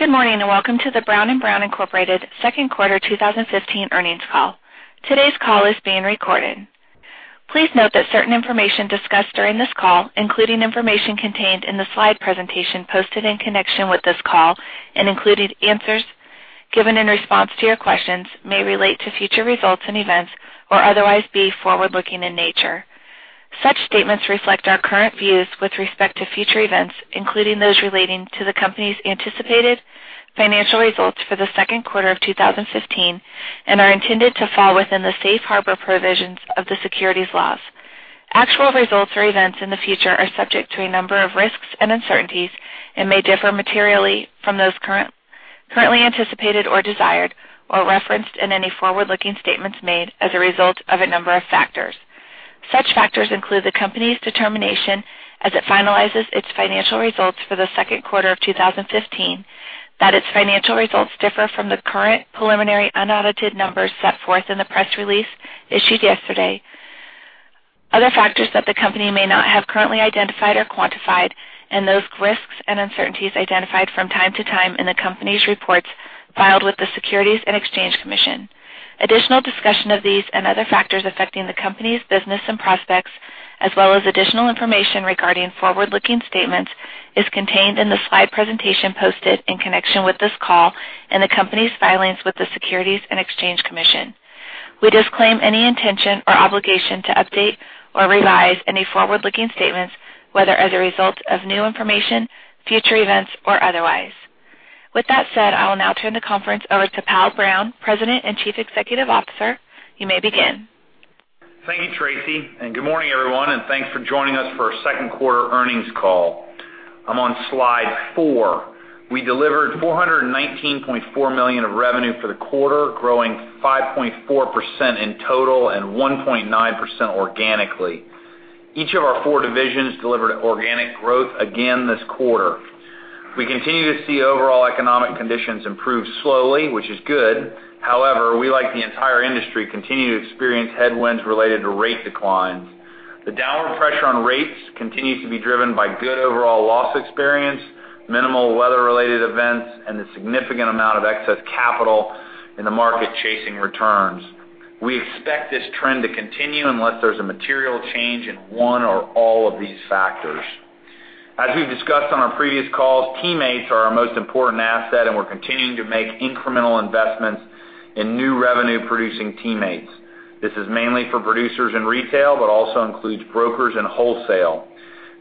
Good morning, and welcome to the Brown & Brown, Inc. second quarter 2015 earnings call. Today's call is being recorded. Please note that certain information discussed during this call, including information contained in the slide presentation posted in connection with this call and including answers given in response to your questions may relate to future results and events or otherwise be forward-looking in nature. Such statements reflect our current views with respect to future events, including those relating to the company's anticipated financial results for the second quarter of 2015, and are intended to fall within the safe harbor provisions of the securities laws. Actual results or events in the future are subject to a number of risks and uncertainties and may differ materially from those currently anticipated or desired, or referenced in any forward-looking statements made as a result of a number of factors. Such factors include the company's determination as it finalizes its financial results for the second quarter of 2015, that its financial results differ from the current preliminary unaudited numbers set forth in the press release issued yesterday. Other factors that the company may not have currently identified or quantified, and those risks and uncertainties identified from time to time in the company's reports filed with the Securities and Exchange Commission. Additional discussion of these and other factors affecting the company's business and prospects, as well as additional information regarding forward-looking statements, is contained in the slide presentation posted in connection with this call and the company's filings with the Securities and Exchange Commission. We disclaim any intention or obligation to update or revise any forward-looking statements, whether as a result of new information, future events, or otherwise. With that said, I will now turn the conference over to Powell Brown, President and Chief Executive Officer. You may begin. Thank you, Tracy, and good morning, everyone, and thanks for joining us for our second quarter earnings call. I'm on slide four. We delivered $419.4 million of revenue for the quarter, growing 5.4% in total and 1.9% organically. Each of our four divisions delivered organic growth again this quarter. We continue to see overall economic conditions improve slowly, which is good. However, we, like the entire industry, continue to experience headwinds related to rate declines. The downward pressure on rates continues to be driven by good overall loss experience, minimal weather-related events, and the significant amount of excess capital in the market chasing returns. We expect this trend to continue unless there's a material change in one or all of these factors. As we've discussed on our previous calls, teammates are our most important asset, and we're continuing to make incremental investments in new revenue-producing teammates. This is mainly for producers in retail but also includes brokers in wholesale.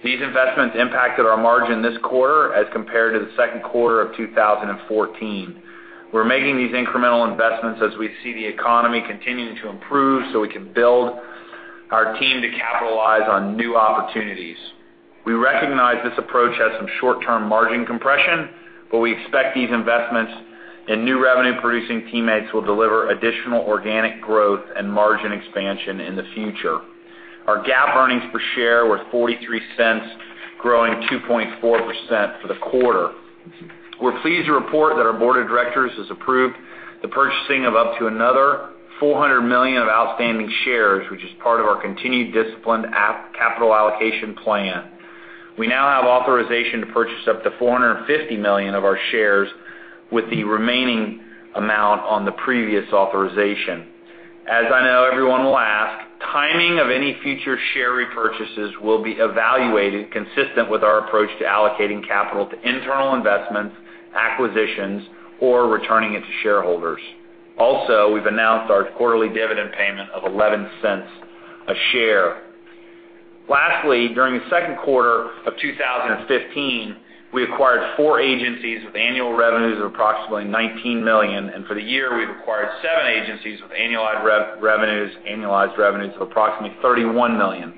These investments impacted our margin this quarter as compared to the second quarter of 2014. We're making these incremental investments as we see the economy continuing to improve so we can build our team to capitalize on new opportunities. We recognize this approach has some short-term margin compression, but we expect these investments in new revenue-producing teammates will deliver additional organic growth and margin expansion in the future. Our GAAP earnings per share were $0.43, growing 2.4% for the quarter. We're pleased to report that our board of directors has approved the purchasing of up to another $400 million of outstanding shares, which is part of our continued disciplined capital allocation plan. We now have authorization to purchase up to $450 million of our shares with the remaining amount on the previous authorization. We've announced our quarterly dividend payment of $0.11 a share. Lastly, during the second quarter of 2015, we acquired four agencies with annual revenues of approximately $19 million, and for the year, we've acquired seven agencies with annualized revenues of approximately $31 million.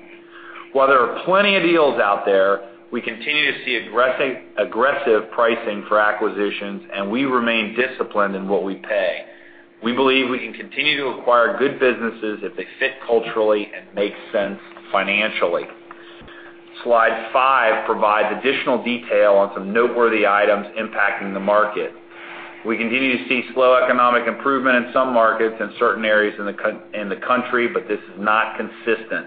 While there are plenty of deals out there, we continue to see aggressive pricing for acquisitions, and we remain disciplined in what we pay. We believe we can continue to acquire good businesses if they fit culturally and make sense financially. Slide five provides additional detail on some noteworthy items impacting the market. We continue to see slow economic improvement in some markets in certain areas in the country, but this is not consistent.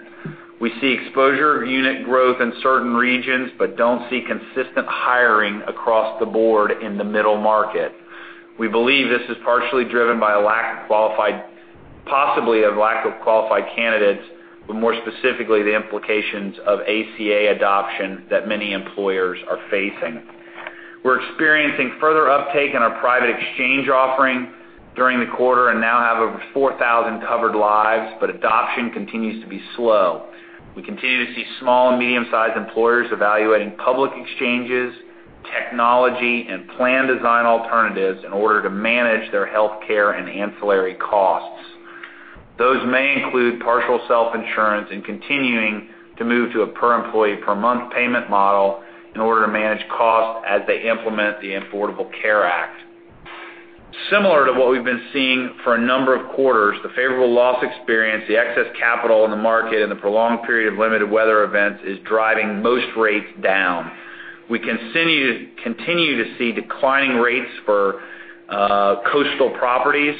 We see exposure of unit growth in certain regions but don't see consistent hiring across the board in the middle market. We believe this is partially driven by possibly a lack of qualified candidates, but more specifically, the implications of ACA adoption that many employers are facing. We're experiencing further uptake in our private exchange offering during the quarter and now have over 4,000 covered lives, but adoption continues to be slow. We continue to see small and medium-sized employers evaluating public exchanges, technology, and plan design alternatives in order to manage their healthcare and ancillary costs. Those may include partial self-insurance and continuing to move to a per-employee per-month payment model in order to manage costs as they implement the Affordable Care Act. Similar to what we've been seeing for a number of quarters, the favorable loss experience, the excess capital in the market, and the prolonged period of limited weather events is driving most rates down. We continue to see declining rates for Coastal properties,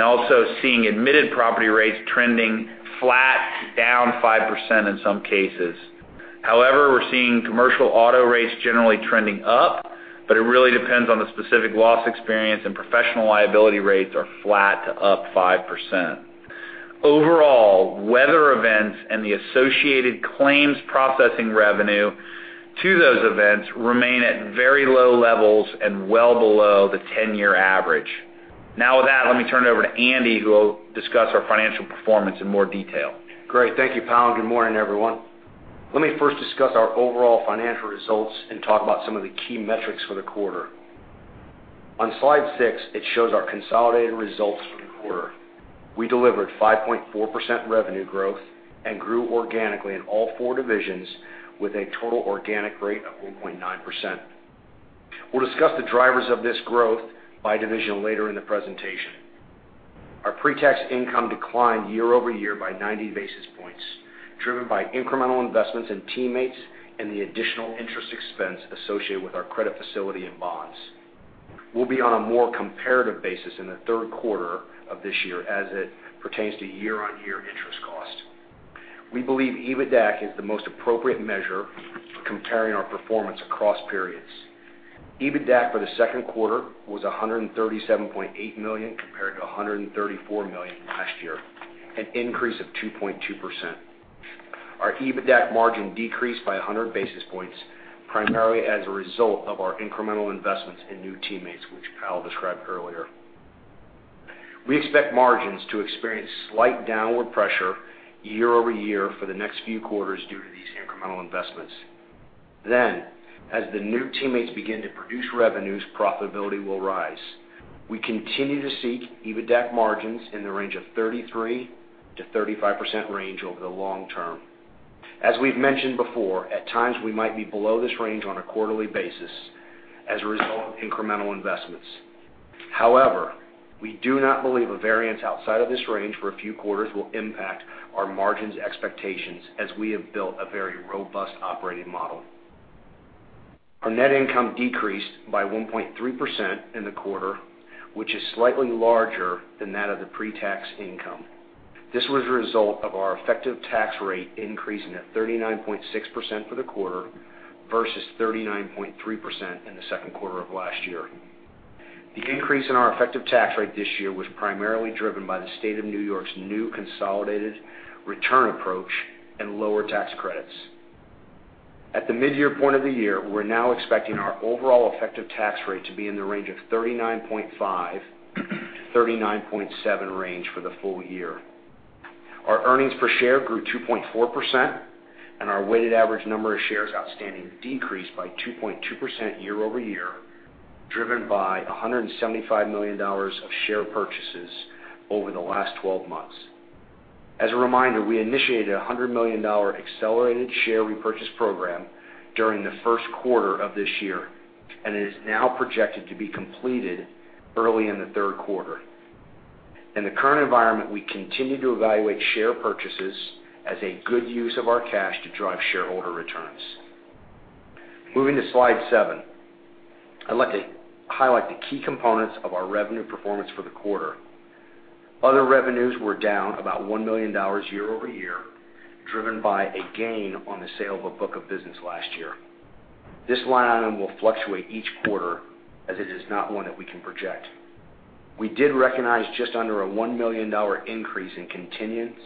also seeing admitted property rates trending flat to down 5% in some cases. We're seeing commercial auto rates generally trending up, but it really depends on the specific loss experience, and professional liability rates are flat to up 5%. Overall, weather events and the associated claims processing revenue to those events remain at very low levels and well below the 10-year average. With that, let me turn it over to Andy, who will discuss our financial performance in more detail. Great. Thank you, Powell. Good morning, everyone. Let me first discuss our overall financial results and talk about some of the key metrics for the quarter. On slide six, it shows our consolidated results for the quarter. We delivered 5.4% revenue growth and grew organically in all four divisions with a total organic rate of 1.9%. We will discuss the drivers of this growth by division later in the presentation. Our pre-tax income declined year-over-year by 90 basis points, driven by incremental investments in teammates and the additional interest expense associated with our credit facility and bonds. We will be on a more comparative basis in the third quarter of this year as it pertains to year-on-year interest cost. We believe EBITDAC is the most appropriate measure comparing our performance across periods. EBITDAC for the second quarter was $137.8 million compared to $134 million last year, an increase of 2.2%. Our EBITDAC margin decreased by 100 basis points, primarily as a result of our incremental investments in new teammates, which Powell described earlier. We expect margins to experience slight downward pressure year-over-year for the next few quarters due to these incremental investments. As the new teammates begin to produce revenues, profitability will rise. We continue to seek EBITDAC margins in the 33%-35% range over the long term. As we have mentioned before, at times, we might be below this range on a quarterly basis as a result of incremental investments. However, we do not believe a variance outside of this range for a few quarters will impact our margins expectations as we have built a very robust operating model. Our net income decreased by 1.3% in the quarter, which is slightly larger than that of the pre-tax income. This was a result of our effective tax rate increasing at 39.6% for the quarter versus 39.3% in the second quarter of last year. The increase in our effective tax rate this year was primarily driven by the State of New York's new consolidated return approach and lower tax credits. At the midyear point of the year, we are now expecting our overall effective tax rate to be in the 39.5%-39.7% range for the full year. Our earnings per share grew 2.4%, and our weighted average number of shares outstanding decreased by 2.2% year-over-year, driven by $175 million of share purchases over the last 12 months. As a reminder, we initiated a $100 million Accelerated Share Repurchase program during the first quarter of this year, and it is now projected to be completed early in the third quarter. In the current environment, we continue to evaluate share purchases as a good use of our cash to drive shareholder returns. Moving to slide seven. I would like to highlight the key components of our revenue performance for the quarter. Other revenues were down about $1 million year-over-year, driven by a gain on the sale of a book of business last year. This line item will fluctuate each quarter, as it is not one that we can project. We did recognize just under a $1 million increase in continuance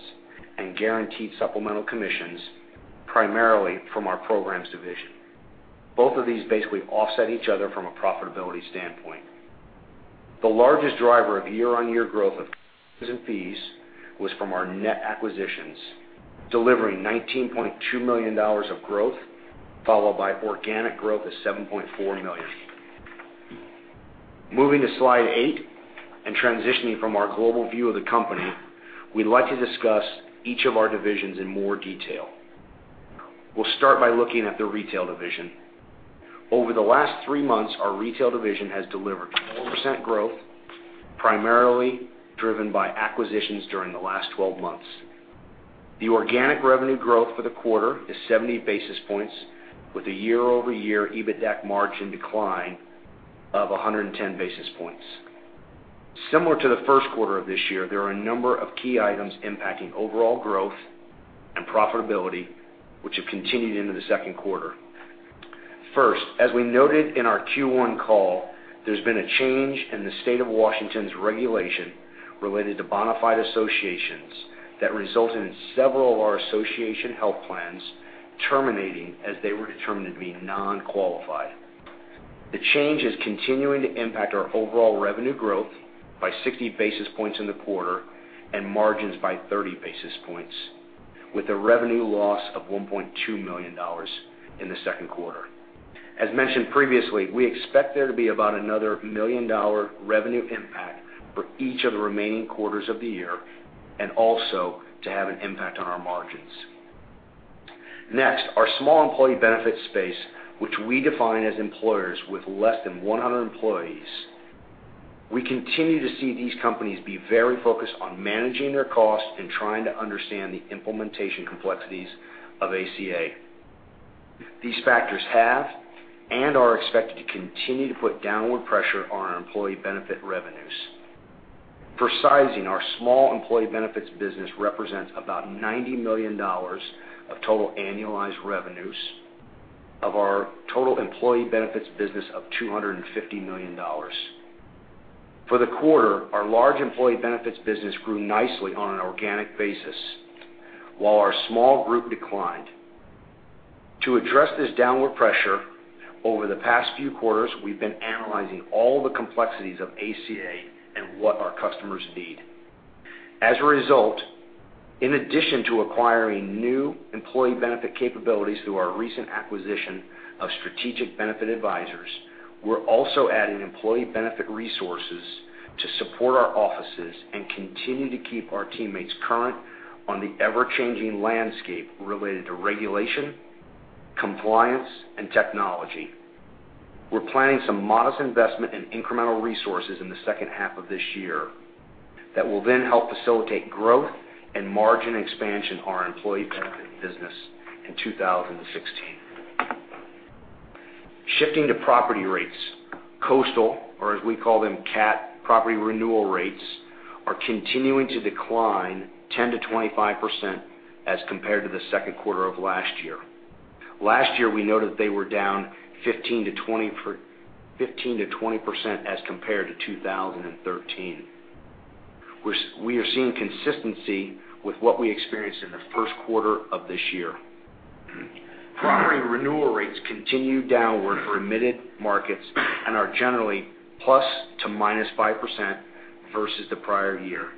and guaranteed supplemental commissions, primarily from our programs division. Both of these basically offset each other from a profitability standpoint. The largest driver of year-on-year growth of fees was from our net acquisitions, delivering $19.2 million of growth, followed by organic growth of $17.4 million. Moving to slide eight and transitioning from our global view of the company, we'd like to discuss each of our divisions in more detail. We'll start by looking at the retail division. Over the last three months, our retail division has delivered 12% growth, primarily driven by acquisitions during the last 12 months. The organic revenue growth for the quarter is 70 basis points with a year-over-year EBITDAC margin decline of 110 basis points. Similar to the first quarter of this year, there are a number of key items impacting overall growth and profitability, which have continued into the second quarter. First, as we noted in our Q1 call, there's been a change in the State of Washington's regulation related to bona fide associations that resulted in several of our association health plans terminating as they were determined to be non-qualified. The change is continuing to impact our overall revenue growth by 60 basis points in the quarter and margins by 30 basis points, with a revenue loss of $1.2 million in the second quarter. As mentioned previously, we expect there to be about another million-dollar revenue impact for each of the remaining quarters of the year and also to have an impact on our margins. Next, our small employee benefits space, which we define as employers with less than 100 employees. We continue to see these companies be very focused on managing their costs and trying to understand the implementation complexities of ACA. These factors have and are expected to continue to put downward pressure on our employee benefit revenues. For sizing, our small employee benefits business represents about $90 million of total annualized revenues of our total employee benefits business of $250 million. For the quarter, our large employee benefits business grew nicely on an organic basis, while our small group declined. To address this downward pressure, over the past few quarters, we've been analyzing all the complexities of ACA and what our customers need. As a result, in addition to acquiring new employee benefit capabilities through our recent acquisition of Strategic Benefit Advisors, we're also adding employee benefit resources to support our offices and continue to keep our teammates current on the ever-changing landscape related to regulation, compliance, and technology. We're planning some modest investment in incremental resources in the second half of this year that will then help facilitate growth and margin expansion of our employee benefit business in 2016. Shifting to property rates, coastal, or as we call them, CAT property renewal rates, are continuing to decline 10%-25% as compared to the second quarter of last year. Last year, we noted they were down 15%-20% as compared to 2013. We are seeing consistency with what we experienced in the first quarter of this year. Property renewal rates continue downward for admitted markets and are generally plus to minus 5% versus the prior year.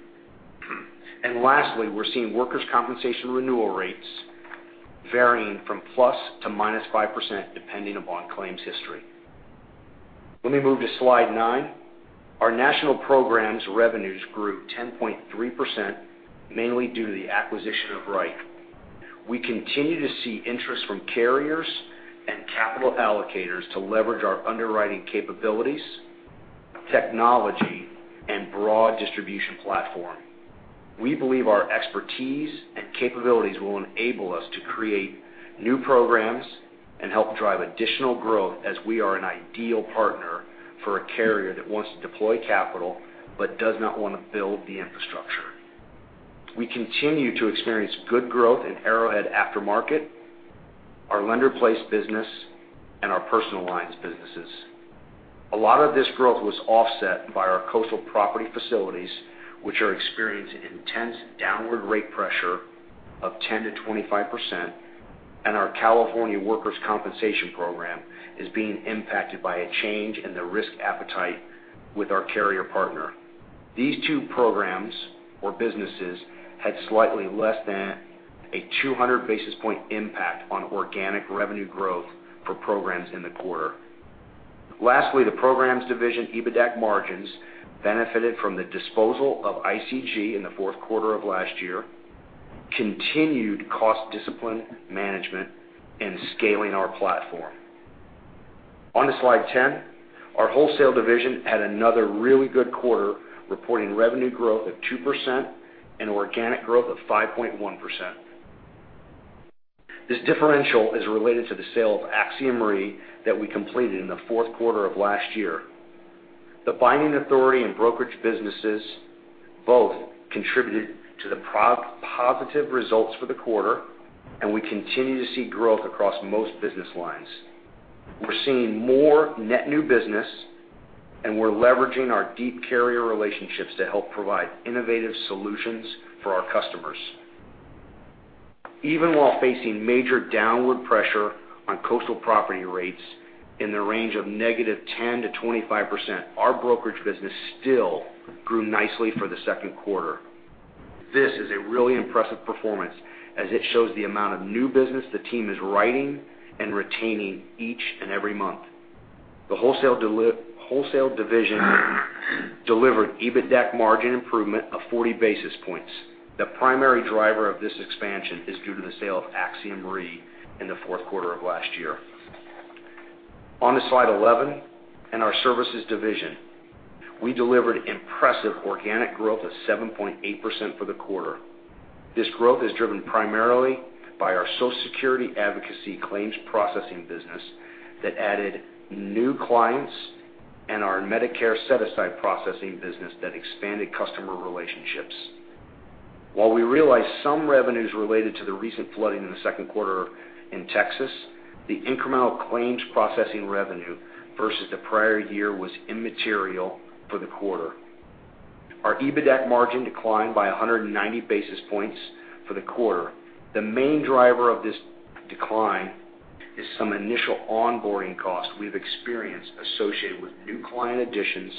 Lastly, we're seeing workers' compensation renewal rates varying from plus to minus 5%, depending upon claims history. Let me move to slide nine. Our national programs revenues grew 10.3%, mainly due to the acquisition of Wright. We continue to see interest from carriers and capital allocators to leverage our underwriting capabilities, technology, and broad distribution platform. We believe our expertise and capabilities will enable us to create new programs and help drive additional growth as we are an ideal partner for a carrier that wants to deploy capital but does not want to build the infrastructure. We continue to experience good growth in Arrowhead Aftermarket, our lender-placed business, and our personal lines businesses. A lot of this growth was offset by our coastal property facilities, which are experiencing intense downward rate pressure of 10%-25%, and our California workers' compensation program is being impacted by a change in the risk appetite with our carrier partner. These two programs or businesses had slightly less than a 200 basis point impact on organic revenue growth for programs in the quarter. Lastly, the programs division, EBITDA margins benefited from the disposal of ICG in the fourth quarter of last year, continued cost discipline management, and scaling our platform. On to slide 10. Our wholesale division had another really good quarter, reporting revenue growth of 2% and organic growth of 5.1%. This differential is related to the sale of Axiom Re that we completed in the fourth quarter of last year. The binding authority and brokerage businesses both contributed to the positive results for the quarter, and we continue to see growth across most business lines. We're seeing more net new business, and we're leveraging our deep carrier relationships to help provide innovative solutions for our customers. Even while facing major downward pressure on coastal property rates in the range of -10% to 25%, our brokerage business still grew nicely for the second quarter. This is a really impressive performance, as it shows the amount of new business the team is writing and retaining each and every month. The wholesale division delivered EBITDA margin improvement of 40 basis points. The primary driver of this expansion is due to the sale of Axiom Re in the fourth quarter of last year. On to slide 11, in our services division, we delivered impressive organic growth of 7.8% for the quarter. This growth is driven primarily by our Social Security advocacy claims processing business that added new clients and our Medicare set-aside processing business that expanded customer relationships. While we realized some revenues related to the recent flooding in the second quarter in Texas, the incremental claims processing revenue versus the prior year was immaterial for the quarter. Our EBITDA margin declined by 190 basis points for the quarter. The main driver of this decline is some initial onboarding costs we've experienced associated with new client additions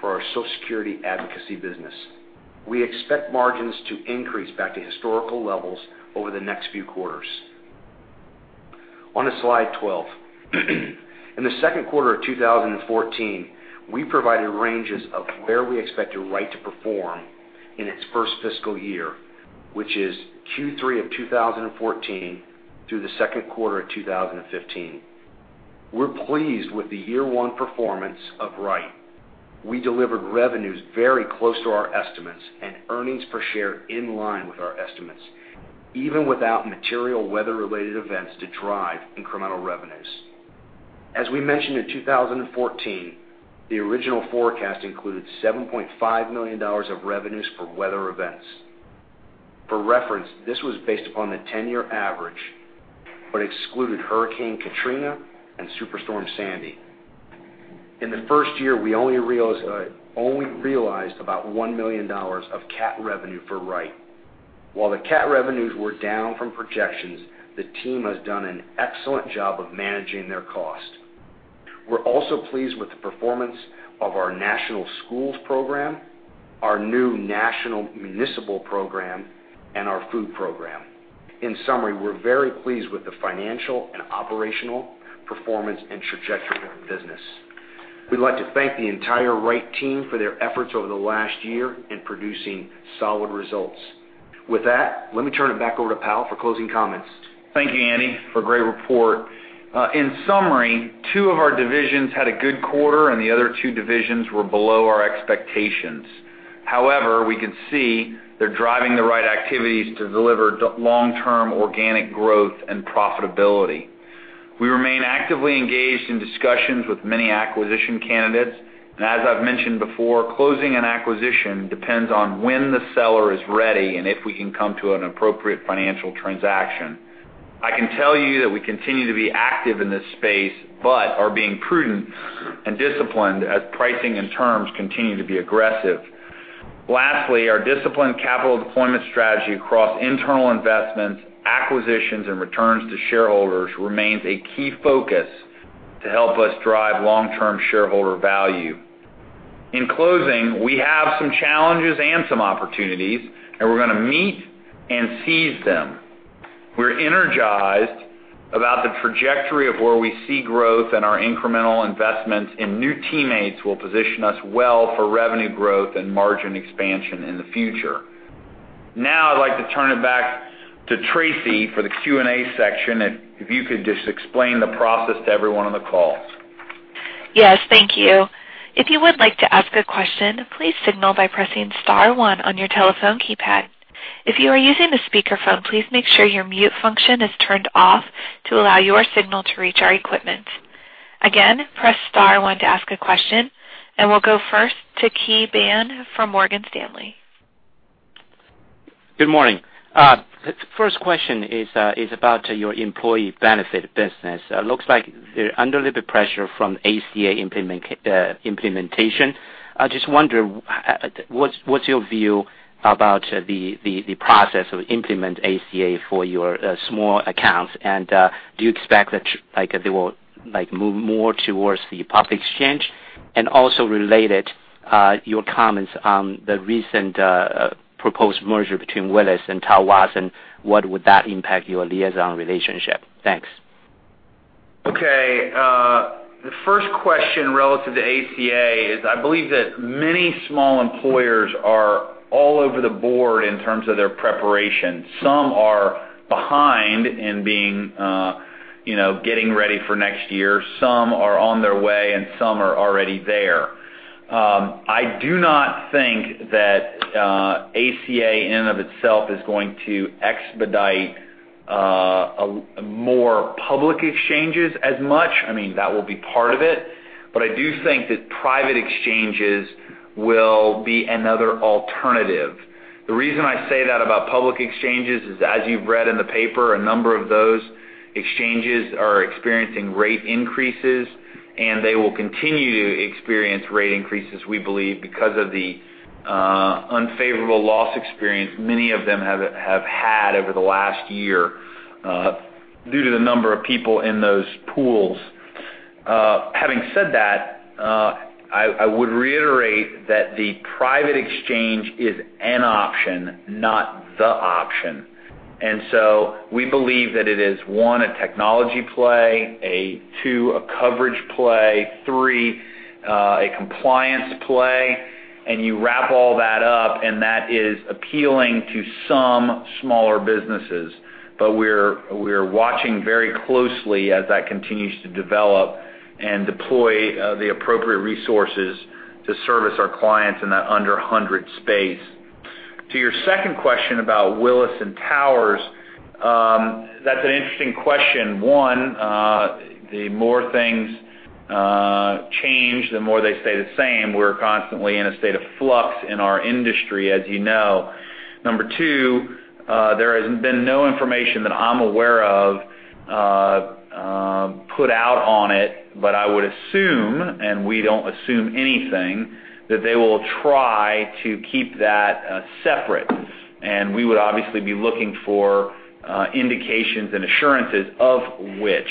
for our Social Security advocacy business. We expect margins to increase back to historical levels over the next few quarters. On to slide 12. In the second quarter of 2014, we provided ranges of where we expect Wright to perform in its first fiscal year, which is Q3 of 2014 through the second quarter of 2015. We're pleased with the year one performance of Wright. We delivered revenues very close to our estimates and earnings per share in line with our estimates, even without material weather-related events to drive incremental revenues. As we mentioned in 2014, the original forecast included $7.5 million of revenues for weather events. For reference, this was based upon the 10-year average, but excluded Hurricane Katrina and Superstorm Sandy. In the first year, we only realized about $1 million of cat revenue for Wright. While the cat revenues were down from projections, the team has done an excellent job of managing their cost. We're also pleased with the performance of our National Schools program, our new National Municipal program, and our food program. In summary, we're very pleased with the financial and operational performance and trajectory of the business. We'd like to thank the entire Wright team for their efforts over the last year in producing solid results. With that, let me turn it back over to Powell for closing comments. Thank you, Andy, for a great report. In summary, two of our divisions had a good quarter and the other two divisions were below our expectations. We could see they're driving the right activities to deliver long-term organic growth and profitability. We remain actively engaged in discussions with many acquisition candidates, as I've mentioned before, closing an acquisition depends on when the seller is ready and if we can come to an appropriate financial transaction. I can tell you that we continue to be active in this space, are being prudent and disciplined as pricing and terms continue to be aggressive. Our disciplined capital deployment strategy across internal investments, acquisitions, and returns to shareholders remains a key focus to help us drive long-term shareholder value. In closing, we have some challenges and some opportunities, we're going to meet and seize them. We're energized about the trajectory of where we see growth, our incremental investments in new teammates will position us well for revenue growth and margin expansion in the future. Now I'd like to turn it back to Tracy for the Q&A section, if you could just explain the process to everyone on the call. Yes, thank you. If you would like to ask a question, please signal by pressing *1 on your telephone keypad. If you are using a speakerphone, please make sure your mute function is turned off to allow your signal to reach our equipment. Again, press *1 to ask a question, we'll go first to Kai Pan from Morgan Stanley. Good morning. First question is about your employee benefit business. Looks like they're under a little bit pressure from ACA implementation. I just wonder, what's your view about the process of implement ACA for your small accounts, and do you expect that they will move more towards the public exchange? Also related, your comments on the recent proposed merger between Willis and Towers, and what would that impact your liaison relationship? Thanks. Okay. The first question relative to ACA is, I believe that many small employers are all over the board in terms of their preparation. Some are behind in getting ready for next year, some are on their way, and some are already there. I do not think that ACA in and of itself is going to expedite more public exchanges as much. I mean, that will be part of it. I do think that private exchanges will be another alternative. The reason I say that about public exchanges is, as you've read in the paper, a number of those exchanges are experiencing rate increases, and they will continue to experience rate increases, we believe, because of the unfavorable loss experience many of them have had over the last year due to the number of people in those pools. Having said that, I would reiterate that the private exchange is an option, not the option. We believe that it is, one, a technology play, two, a coverage play, three, a compliance play, and you wrap all that up, and that is appealing to some smaller businesses. We're watching very closely as that continues to develop and deploy the appropriate resources to service our clients in that under 100 space. To your second question about Willis and Towers, that's an interesting question. One, the more things change, the more they stay the same. We're constantly in a state of flux in our industry, as you know. Number two, there has been no information that I'm aware of put out on it, but I would assume, and we don't assume anything, that they will try to keep that separate, and we would obviously be looking for indications and assurances of which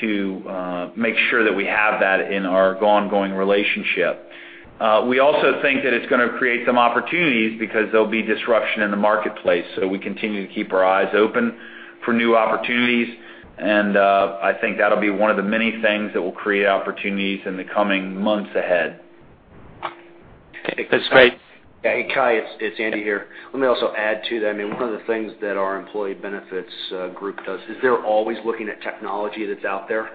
to make sure that we have that in our ongoing relationship. We also think that it's going to create some opportunities because there'll be disruption in the marketplace. We continue to keep our eyes open for new opportunities, and I think that'll be one of the many things that will create opportunities in the coming months ahead. That's great. Yeah. Hey, Kai, it's Andy here. Let me also add to that. One of the things that our employee benefits group does is they're always looking at technology that's out there.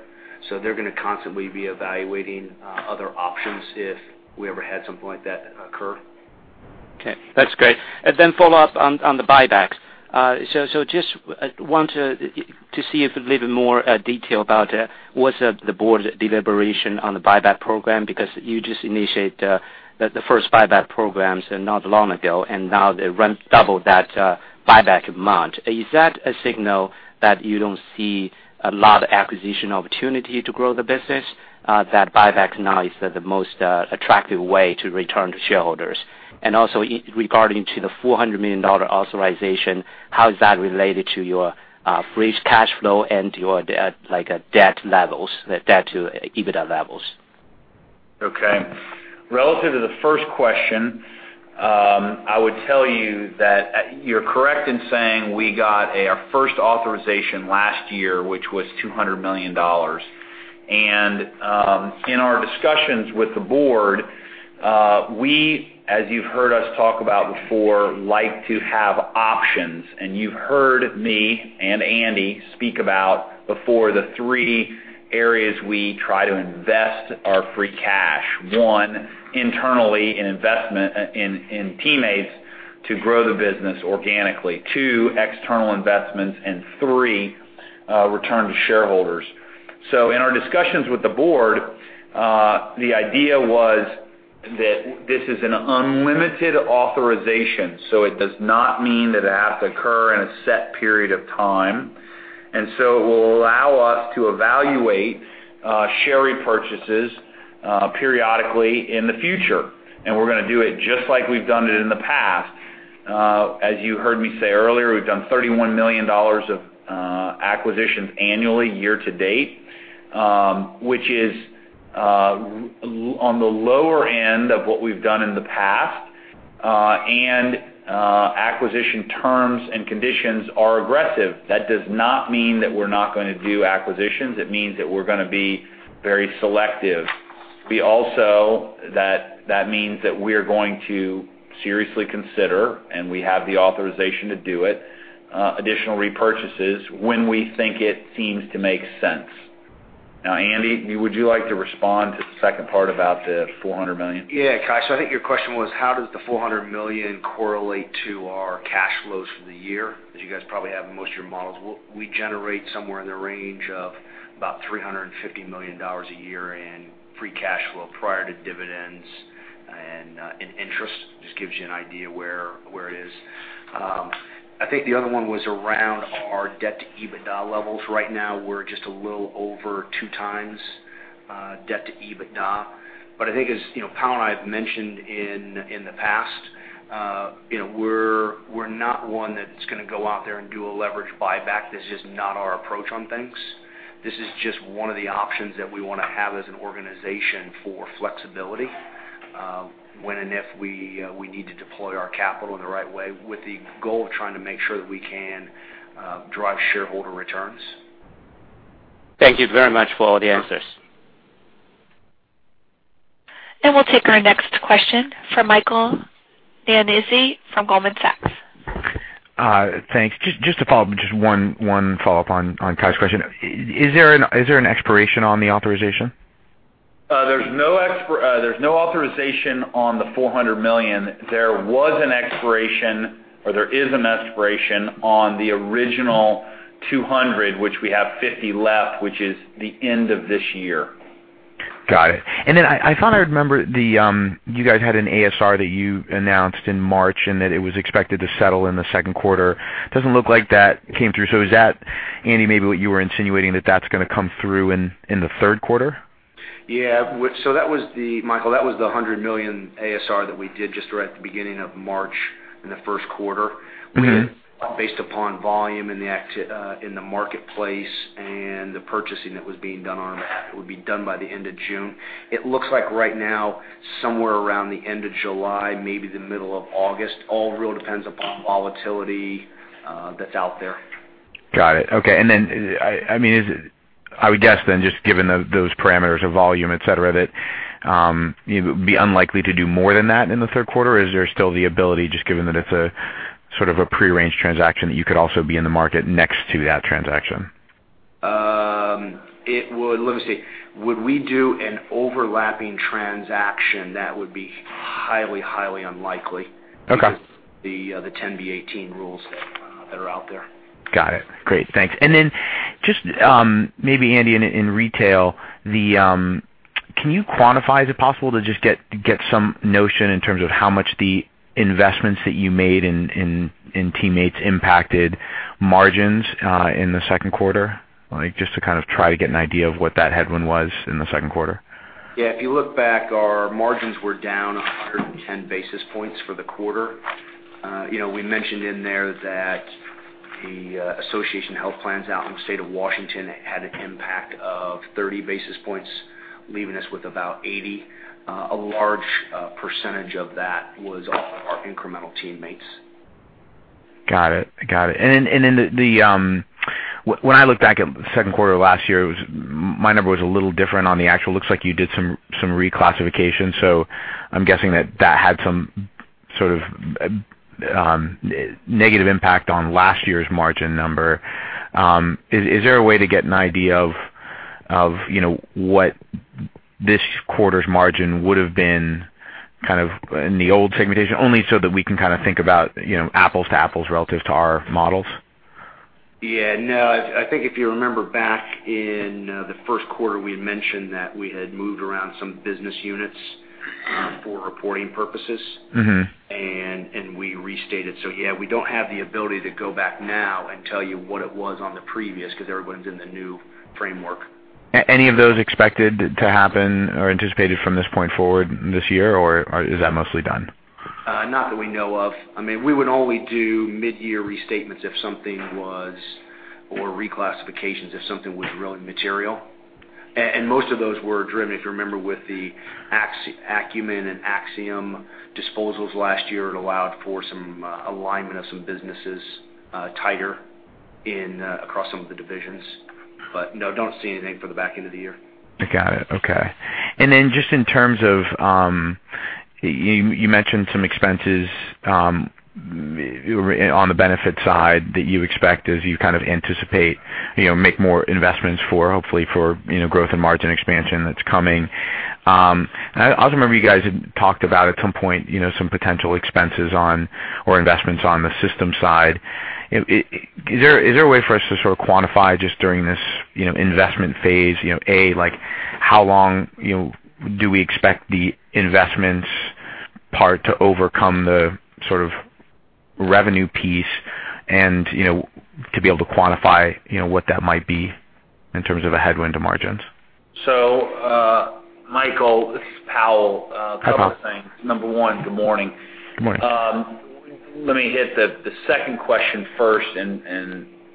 They're going to constantly be evaluating other options if we ever had something like that occur. Okay, that's great. Follow up on the buybacks. Just want to see a little bit more detail about what's the board deliberation on the buyback program, because you just initiate the first buyback programs not long ago, and now they run double that buyback amount. Is that a signal that you don't see a lot of acquisition opportunity to grow the business? That buyback now is the most attractive way to return to shareholders. Also regarding to the $400 million authorization, how is that related to your free cash flow and your debt levels, the debt to EBITDA levels? Okay. Relative to the first question, I would tell you that you're correct in saying we got our first authorization last year, which was $200 million. In our discussions with the board, we, as you've heard us talk about before, like to have options. You've heard me and Andy speak about before, the three areas we try to invest our free cash. One, internally in investment in teammates to grow the business organically. Two, external investments, and three, return to shareholders. In our discussions with the board, the idea was that this is an unlimited authorization, it does not mean that it has to occur in a set period of time. It will allow us to evaluate share repurchases periodically in the future. We're going to do it just like we've done it in the past. As you heard me say earlier, we've done $31 million of acquisitions annually year to date, which is on the lower end of what we've done in the past. Acquisition terms and conditions are aggressive. That does not mean that we're not going to do acquisitions. It means that we're going to be very selective. That means that we're going to seriously consider, and we have the authorization to do it, additional repurchases when we think it seems to make sense. Now, Andy, would you like to respond to the second part about the $400 million? Yeah, Kai. I think your question was, how does the $400 million correlate to our cash flows for the year? As you guys probably have in most of your models, we generate somewhere in the range of about $350 million a year in free cash flow prior to dividends and interest. Just gives you an idea where it is. I think the other one was around our debt to EBITDA levels. Right now, we're just a little over two times, debt to EBITDA. I think as J. Powell and I have mentioned in the past, we're not one that's going to go out there and do a leverage buyback. That's just not our approach on things. This is just one of the options that we want to have as an organization for flexibility, when and if we need to deploy our capital in the right way with the goal of trying to make sure that we can drive shareholder returns. Thank you very much for all the answers. We'll take our next question from Michael Nannizzi from Goldman Sachs. Thanks. Just one follow-up on Kai's question. Is there an expiration on the authorization? There's no authorization on the $400 million. There was an expiration, or there is an expiration on the original $200, which we have $50 left, which is the end of this year. Got it. I thought I remember you guys had an ASR that you announced in March, and that it was expected to settle in the second quarter. Doesn't look like that came through. Is that, Andy, maybe what you were insinuating that that's going to come through in the third quarter? Michael, that was the $100 million ASR that we did just right at the beginning of March in the first quarter. Based upon volume in the marketplace and the purchasing that was being done on it would be done by the end of June. It looks like right now, somewhere around the end of July, maybe the middle of August. All really depends upon volatility that's out there. Got it. Okay. I would guess then, just given those parameters of volume, et cetera, that it would be unlikely to do more than that in the third quarter. Is there still the ability, just given that it's a sort of a pre-arranged transaction, that you could also be in the market next to that transaction? Let me see. Would we do an overlapping transaction? That would be highly unlikely. Okay because the Rule 10b-18 rules that are out there. Got it. Great. Thanks. Just maybe, Andy, in Retail, can you quantify, is it possible to just get some notion in terms of how much the investments that you made in teammates impacted margins in the second quarter? Just to kind of try to get an idea of what that headwind was in the second quarter. Yeah. If you look back, our margins were down 110 basis points for the quarter. We mentioned in there that the association health plans out in the state of Washington had an impact of 30 basis points, leaving us with about 80. A large percentage of that was all of our incremental teammates. Got it. When I look back at the second quarter of last year, my number was a little different on the actual. Looks like you did some reclassification. I'm guessing that had some sort of negative impact on last year's margin number. Is there a way to get an idea of what this quarter's margin would have been kind of in the old segmentation? Only so that we can kind of think about apples to apples relative to our models. Yeah. No, I think if you remember back in the first quarter, we had mentioned that we had moved around some business units for reporting purposes. We restated. Yeah, we don't have the ability to go back now and tell you what it was on the previous, because everyone's in the new framework. Any of those expected to happen or anticipated from this point forward this year? Is that mostly done? Not that we know of. We would only do mid-year restatements or reclassifications if something was really material. Most of those were driven, if you remember, with the Acumen and Axiom disposals last year. It allowed for some alignment of some businesses tighter across some of the divisions. No, don't see anything for the back end of the year. I got it. Okay. Just in terms of, you mentioned some expenses on the benefit side that you expect as you kind of anticipate, make more investments for, hopefully for growth and margin expansion that's coming. I also remember you guys had talked about at some point, some potential expenses on, or investments on the system side. Is there a way for us to sort of quantify just during this investment phase, A, how long do we expect the investments part to overcome the sort of revenue piece and to be able to quantify what that might be in terms of a headwind to margins? Michael, this is Powell. Hi, Powell. A couple of things. Number 1, good morning. Good morning. Let me hit the second question first and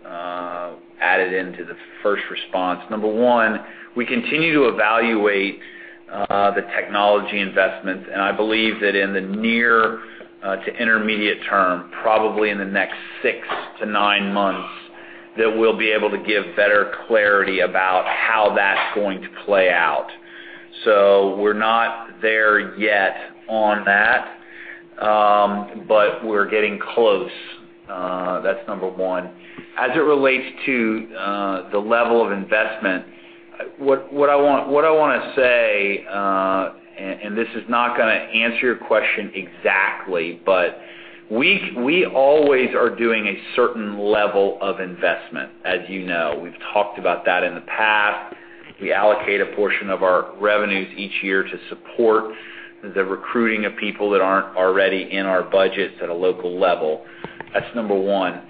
add it into the first response. Number one, we continue to evaluate the technology investments, and I believe that in the near to intermediate term, probably in the next six to nine months, that we'll be able to give better clarity about how that's going to play out. We're not there yet on that, but we're getting close. That's number one. As it relates to the level of investment, what I want to say, and this is not going to answer your question exactly, but we always are doing a certain level of investment, as you know. We've talked about that in the past. We allocate a portion of our revenues each year to support the recruiting of people that aren't already in our budgets at a local level. That's number one.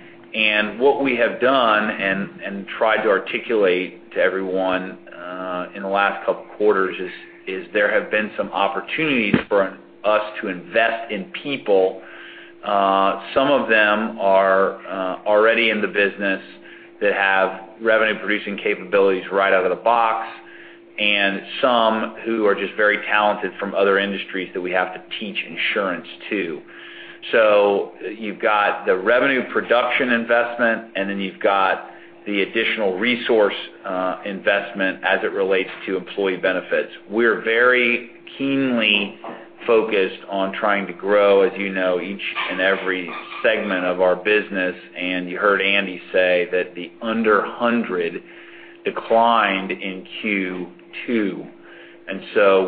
What we have done and tried to articulate to everyone in the last couple of quarters is there have been some opportunities for us to invest in people. Some of them are already in the business that have revenue-producing capabilities right out of the box, and some who are just very talented from other industries that we have to teach insurance to. You've got the revenue production investment, and then you've got the additional resource investment as it relates to employee benefits. We're very keenly focused on trying to grow, as you know, each and every segment of our business, and you heard Andy say that the under 100 declined in Q2.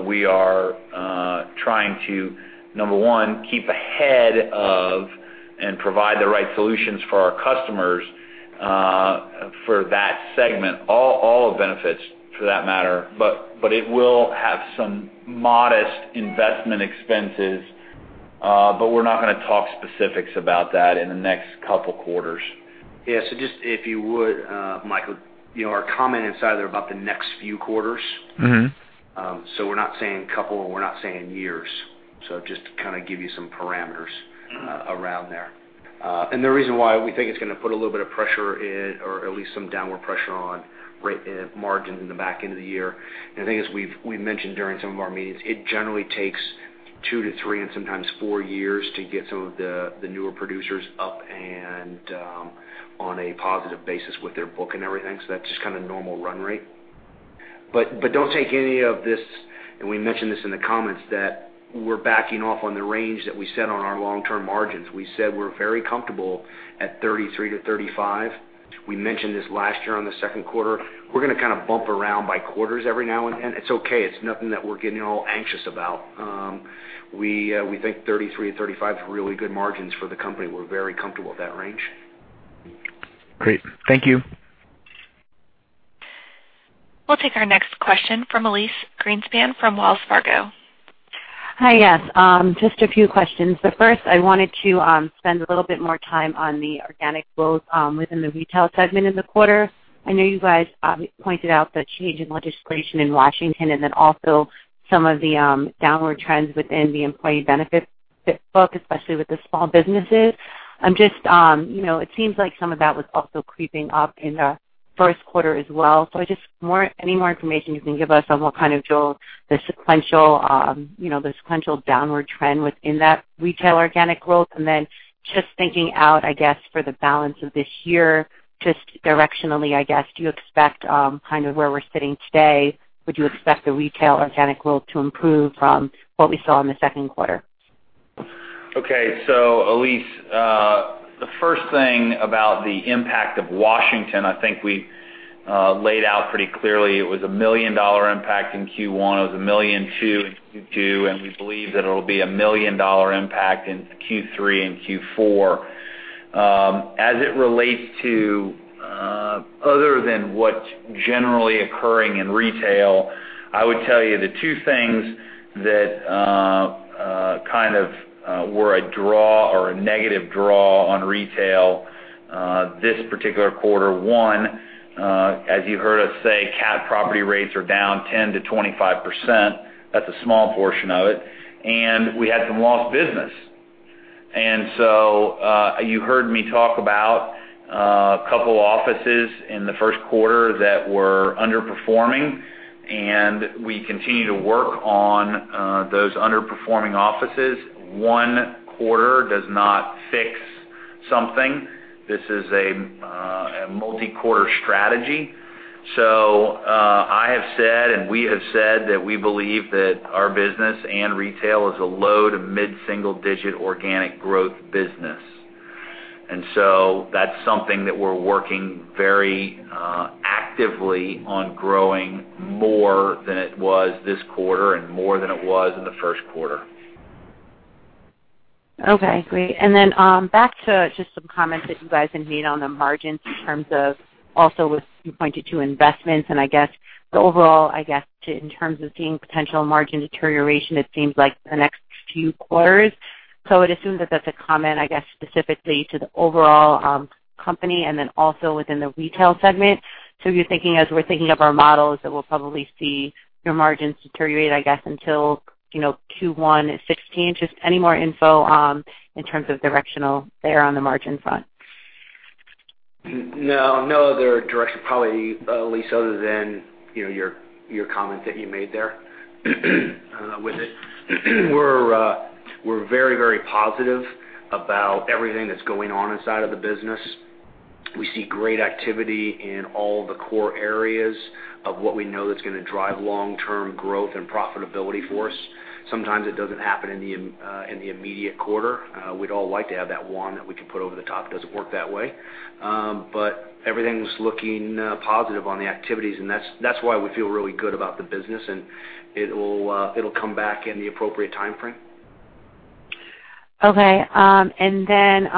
We are trying to, number one, keep ahead of and provide the right solutions for our customers for that segment. All of benefits for that matter, but it will have some modest investment expenses, but we're not going to talk specifics about that in the next couple quarters. Just if you would, Michael, our comment inside there about the next few quarters. We're not saying a couple, and we're not saying years. Just to kind of give you some parameters around there. The reason why we think it's going to put a little bit of pressure in, or at least some downward pressure on margins in the back end of the year. I think as we've mentioned during some of our meetings, it generally takes two to three and sometimes four years to get some of the newer producers up and on a positive basis with their book and everything. That's just kind of normal run rate. Don't take any of this, and we mentioned this in the comments, that we're backing off on the range that we set on our long-term margins. We said we're very comfortable at 33%-35%. We mentioned this last year on the second quarter. We're going to kind of bump around by quarters every now and then. It's okay. It's nothing that we're getting all anxious about. We think 33%-35% is really good margins for the company. We're very comfortable with that range. Great. Thank you. We'll take our next question from Elyse Greenspan from Wells Fargo. Hi. Yes. Just a few questions. First, I wanted to spend a little bit more time on the organic growth within the retail segment in the quarter. I know you guys pointed out the change in legislation in Washington, and also some of the downward trends within the employee benefits book, especially with the small businesses. It seems like some of that was also creeping up in the First quarter as well. Just any more information you can give us on what kind of drove the sequential downward trend within that retail organic growth? Then just thinking out, I guess, for the balance of this year, just directionally, I guess, do you expect kind of where we're sitting today, would you expect the retail organic growth to improve from what we saw in the Second quarter? Okay. Elyse, the first thing about the impact of Washington, I think we laid out pretty clearly it was a $1 million impact in Q1. It was $1.2 million in Q2, and we believe that it'll be a $1 million impact in Q3 and Q4. As it relates to other than what's generally occurring in retail, I would tell you the two things that kind of were a draw or a negative draw on retail this particular quarter. One, as you heard us say, CAT property rates are down 10%-25%. That's a small portion of it. We had some lost business. You heard me talk about a couple offices in the First quarter that were underperforming, and we continue to work on those underperforming offices. One quarter does not fix something. This is a multi-quarter strategy. I have said, and we have said that we believe that our business and retail is a low to mid-single digit organic growth business. That's something that we're working very actively on growing more than it was this quarter and more than it was in the First quarter. Okay, great. Back to just some comments that you guys had made on the margins in terms of also with you pointed to investments and I guess the overall, in terms of seeing potential margin deterioration, it seems like the next few quarters. I'd assume that's a comment, I guess, specifically to the overall company and then also within the retail segment. You're thinking, as we're thinking of our models, that we'll probably see your margins deteriorate, I guess, until Q1 2016. Just any more info in terms of directional there on the margin front. No other direction probably, Elyse, other than your comments that you made there with it. We're very positive about everything that's going on inside of the business. We see great activity in all the core areas of what we know that's going to drive long term growth and profitability for us. Sometimes it doesn't happen in the immediate quarter. We'd all like to have that wand that we can put over the top. It doesn't work that way. Everything's looking positive on the activities and that's why we feel really good about the business, and it'll come back in the appropriate timeframe. Okay. In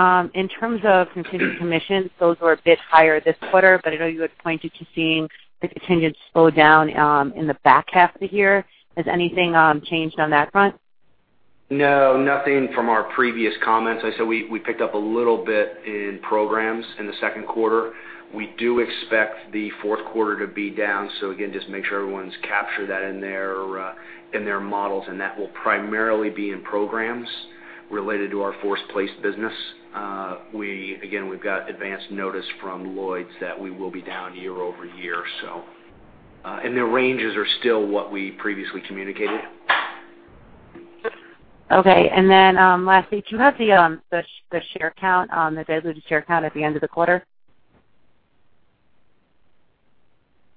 terms of contingent commissions, those were a bit higher this quarter. I know you had pointed to seeing the contingents slow down in the back half of the year. Has anything changed on that front? No, nothing from our previous comments. I said we picked up a little bit in programs in the second quarter. We do expect the fourth quarter to be down. Again, just make sure everyone's captured that in their models and that will primarily be in programs related to our force-placed business. Again, we've got advanced notice from Lloyd's that we will be down year-over-year. The ranges are still what we previously communicated. Okay. Then lastly, do you have the share count on the diluted share count at the end of the quarter?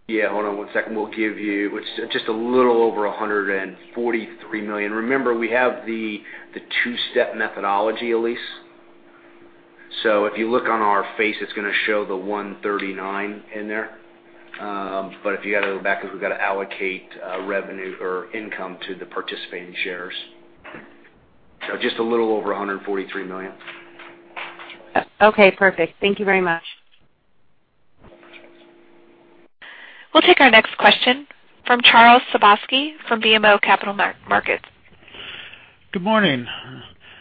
Yeah, hold on one second. We'll give you, it's just a little over 143 million. Remember, we have the two-step methodology, Elyse. If you look on our face, it's going to show the 139 in there. If you got to go back because we've got to allocate revenue or income to the participating shares. Just a little over 143 million. Okay, perfect. Thank you very much. We'll take our next question from Charles Sebaski from BMO Capital Markets. Good morning.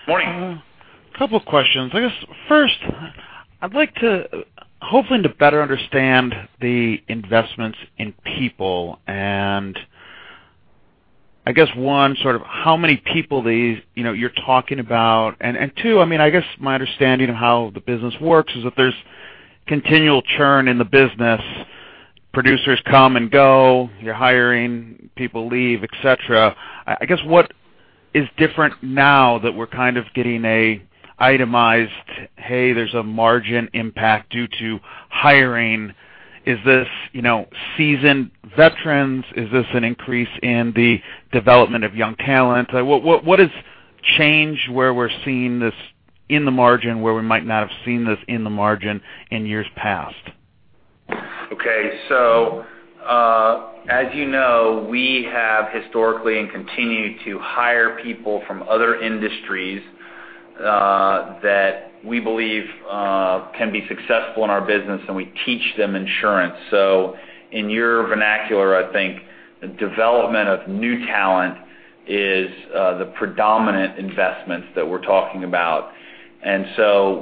Morning. Couple questions. I guess first I'd like to hopefully better understand the investments in people. I guess one, sort of how many people you're talking about, and two, I guess my understanding of how the business works is that there's continual churn in the business. Producers come and go. You're hiring, people leave, et cetera. I guess what is different now that we're kind of getting a itemized, hey, there's a margin impact due to hiring? Is this seasoned veterans? Is this an increase in the development of young talent? What has changed where we're seeing this in the margin where we might not have seen this in the margin in years past? Okay. As you know, we have historically and continue to hire people from other industries that we believe can be successful in our business, and we teach them insurance. So in your vernacular, I think the development of new talent is the predominant investments that we're talking about.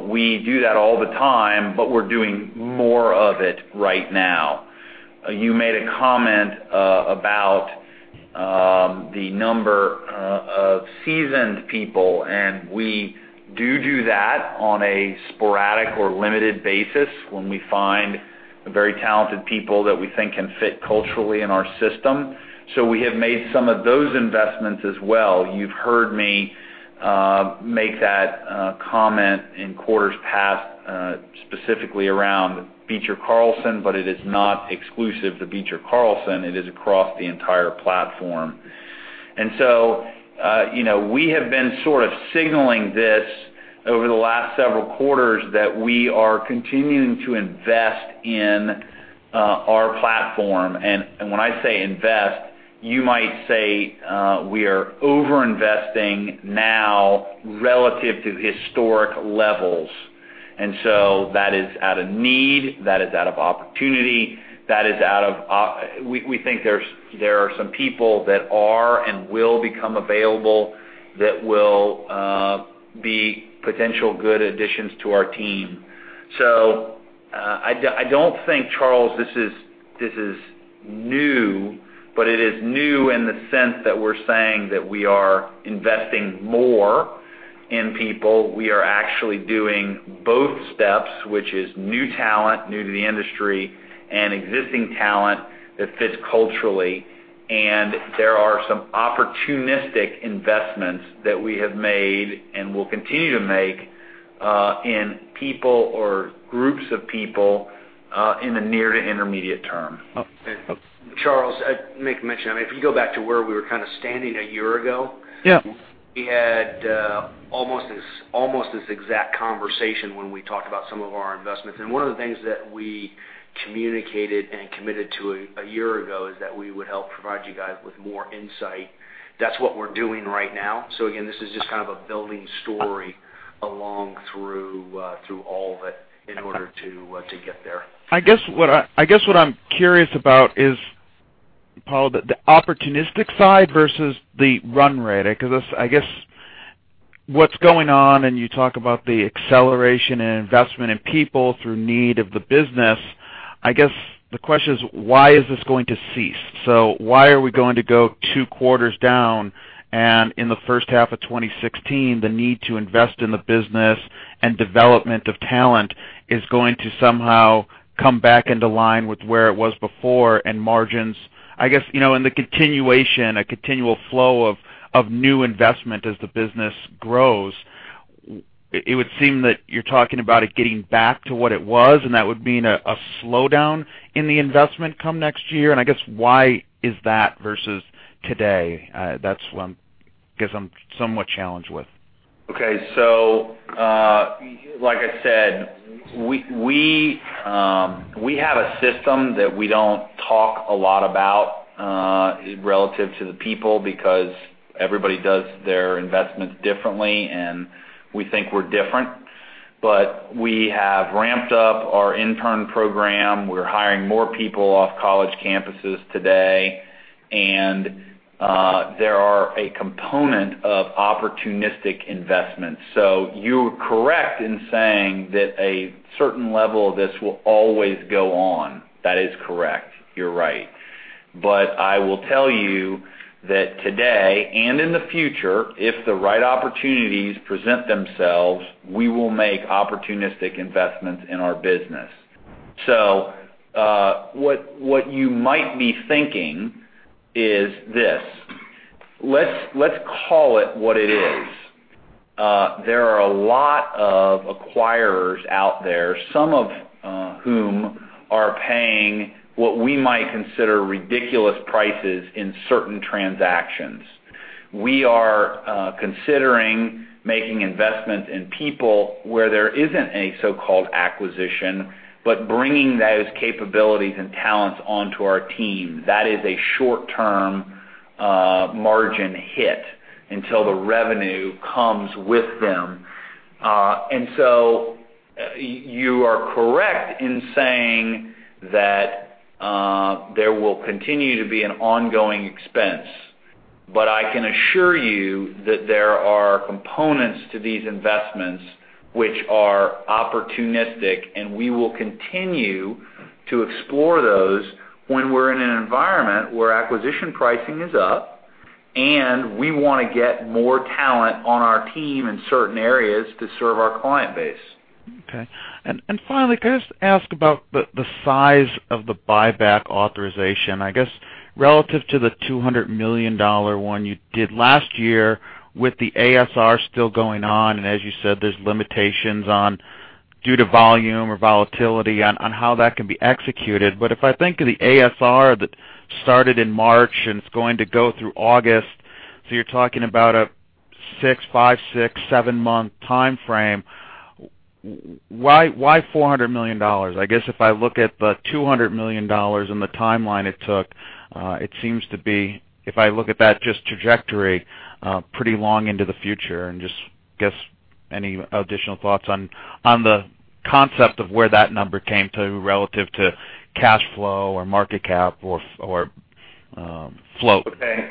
We do that all the time, but we're doing more of it right now. You made a comment about the number of seasoned people, and we do that on a sporadic or limited basis when we find very talented people that we think can fit culturally in our system. We have made some of those investments as well. You've heard me make that comment in quarters past, specifically around Beecher Carlson, but it is not exclusive to Beecher Carlson. It is across the entire platform. We have been sort of signaling this over the last several quarters that we are continuing to invest in our platform. When I say invest, you might say, we are over-investing now relative to historic levels. That is out of need, that is out of opportunity. We think there are some people that are and will become available that will be potential good additions to our team. I don't think, Charles, this is new, but it is new in the sense that we're saying that we are investing more in people. We are actually doing both steps, which is new talent, new to the industry, and existing talent that fits culturally. There are some opportunistic investments that we have made and will continue to make in people or groups of people in the near to intermediate term. Charles, I make mention. If you go back to where we were kind of standing a year ago. Yeah We had almost this exact conversation when we talked about some of our investments. One of the things that we communicated and committed to a year ago is that we would help provide you guys with more insight. That's what we're doing right now. Again, this is just kind of a building story along through all of it in order to get there. I guess what I'm curious about is, Powell, the opportunistic side versus the run rate. I guess what's going on, and you talk about the acceleration and investment in people through need of the business, I guess the question is, why is this going to cease? Why are we going to go 2 quarters down, and in the first half of 2016, the need to invest in the business and development of talent is going to somehow come back into line with where it was before and margins? I guess, in the continuation, a continual flow of new investment as the business grows, it would seem that you're talking about it getting back to what it was, and that would mean a slowdown in the investment come next year. I guess why is that versus today? That's what I guess I'm somewhat challenged with. Okay. Like I said, we have a system that we don't talk a lot about relative to the people because everybody does their investments differently, and we think we're different. We have ramped up our intern program. We're hiring more people off college campuses today. There are a component of opportunistic investments. You're correct in saying that a certain level of this will always go on. That is correct. You're right. I will tell you that today and in the future, if the right opportunities present themselves, we will make opportunistic investments in our business. What you might be thinking is this. Let's call it what it is. There are a lot of acquirers out there, some of whom are paying what we might consider ridiculous prices in certain transactions. We are considering making investments in people where there isn't a so-called acquisition, but bringing those capabilities and talents onto our team. That is a short-term margin hit until the revenue comes with them. You are correct in saying that there will continue to be an ongoing expense. I can assure you that there are components to these investments which are opportunistic, and we will continue to explore those when we're in an environment where acquisition pricing is up and we want to get more talent on our team in certain areas to serve our client base. Okay. Finally, can I just ask about the size of the buyback authorization? I guess relative to the $200 million one you did last year with the ASR still going on, and as you said, there's limitations on due to volume or volatility on how that can be executed. If I think of the ASR that started in March and it's going to go through August, so you're talking about a five, six, seven-month timeframe. Why $400 million? I guess if I look at the $200 million and the timeline it took, it seems to be, if I look at that just trajectory, pretty long into the future. Just, I guess, any additional thoughts on the concept of where that number came to relative to cash flow or market cap or float? Okay.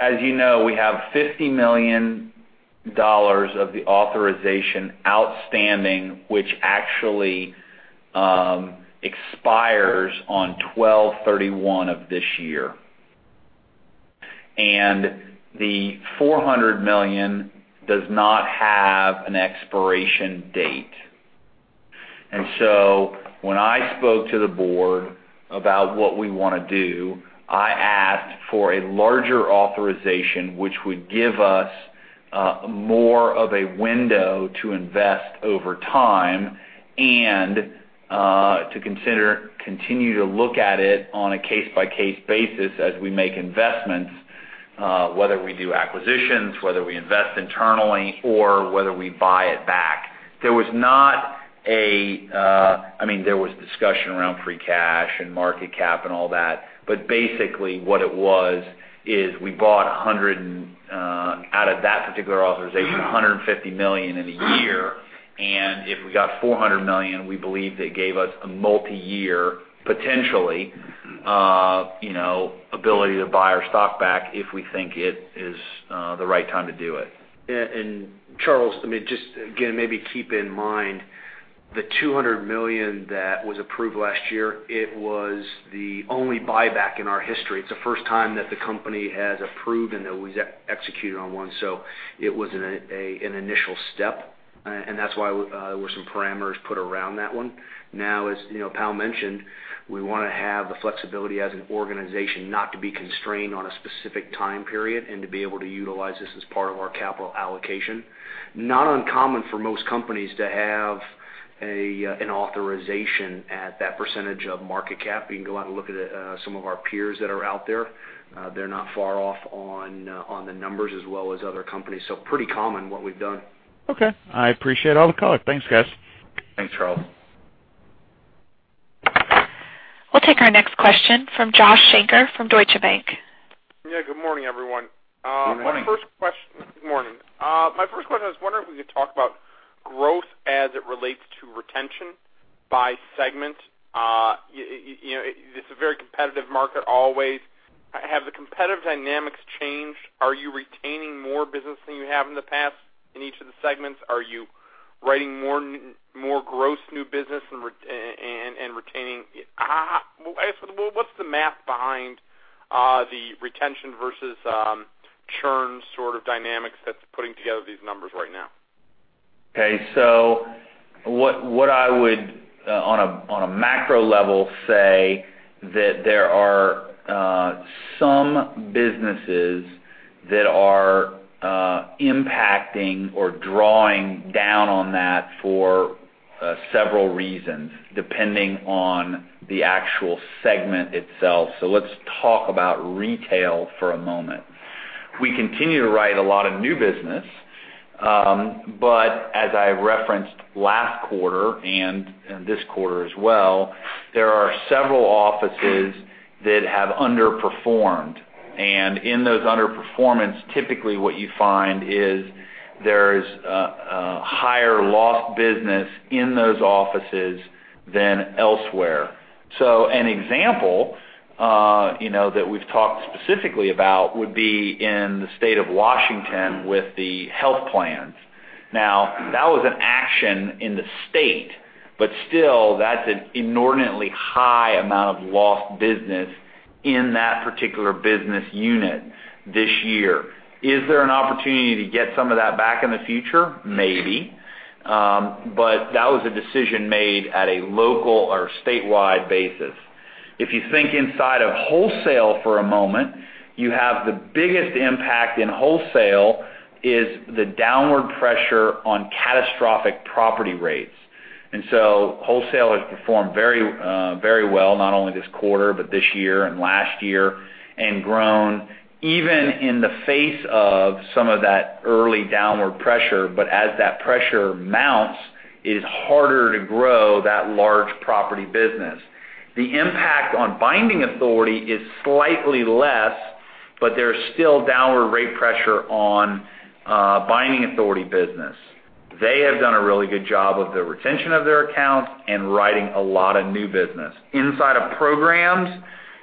As you know, we have $50 million of the authorization outstanding, which actually expires on 12/31 of this year. The $400 million does not have an expiration date. When I spoke to the board about what we want to do, I asked for a larger authorization, which would give us more of a window to invest over time and to continue to look at it on a case-by-case basis as we make investments, whether we do acquisitions, whether we invest internally, or whether we buy it back. There was discussion around free cash and market cap and all that. Basically, what it was is we bought out of that particular authorization, $150 million in a year. If we got $400 million, we believed it gave us a multi-year, potentially, ability to buy our stock back if we think it is the right time to do it. Charles, just again, maybe keep in mind the $200 million that was approved last year, it was the only buyback in our history. It's the first time that the company has approved and that we executed on one. It was an initial step, and that's why there were some parameters put around that one. As Pal mentioned, we want to have the flexibility as an organization not to be constrained on a specific time period and to be able to utilize this as part of our capital allocation. Not uncommon for most companies to have an authorization at that percentage of market cap. You can go out and look at some of our peers that are out there. They're not far off on the numbers as well as other companies. Pretty common what we've done. Okay. I appreciate all the color. Thanks, guys. Thanks, Charles. We'll take our next question from Joshua Shanker from Deutsche Bank. Yeah. Good morning, everyone. Good morning. Good morning. My first question, I was wondering if we could talk about growth as it relates to retention by segment. It's a very competitive market always. Have the competitive dynamics changed? Are you retaining more business than you have in the past in each of the segments? Are you writing more gross new business and retaining What's the math behind the retention versus churn sort of dynamics that's putting together these numbers right now? Okay. What I would, on a macro level, say that there are some businesses that are impacting or drawing down on that for several reasons, depending on the actual segment itself. Let's talk about retail for a moment. We continue to write a lot of new business. As I referenced last quarter, and this quarter as well, there are several offices that have underperformed. In those underperformance, typically what you find is there's a higher lost business in those offices than elsewhere. An example that we've talked specifically about would be in the state of Washington with the health plans. Now, that was an action in the state, but still, that's an inordinately high amount of lost business in that particular business unit this year. Is there an opportunity to get some of that back in the future? Maybe. That was a decision made at a local or statewide basis. If you think inside of wholesale for a moment, you have the biggest impact in wholesale is the downward pressure on catastrophic property rates. Wholesale has performed very well, not only this quarter, but this year and last year, and grown even in the face of some of that early downward pressure. As that pressure mounts, it is harder to grow that large property business. The impact on binding authority is slightly less, but there's still downward rate pressure on binding authority business. They have done a really good job of the retention of their accounts and writing a lot of new business. Inside of programs,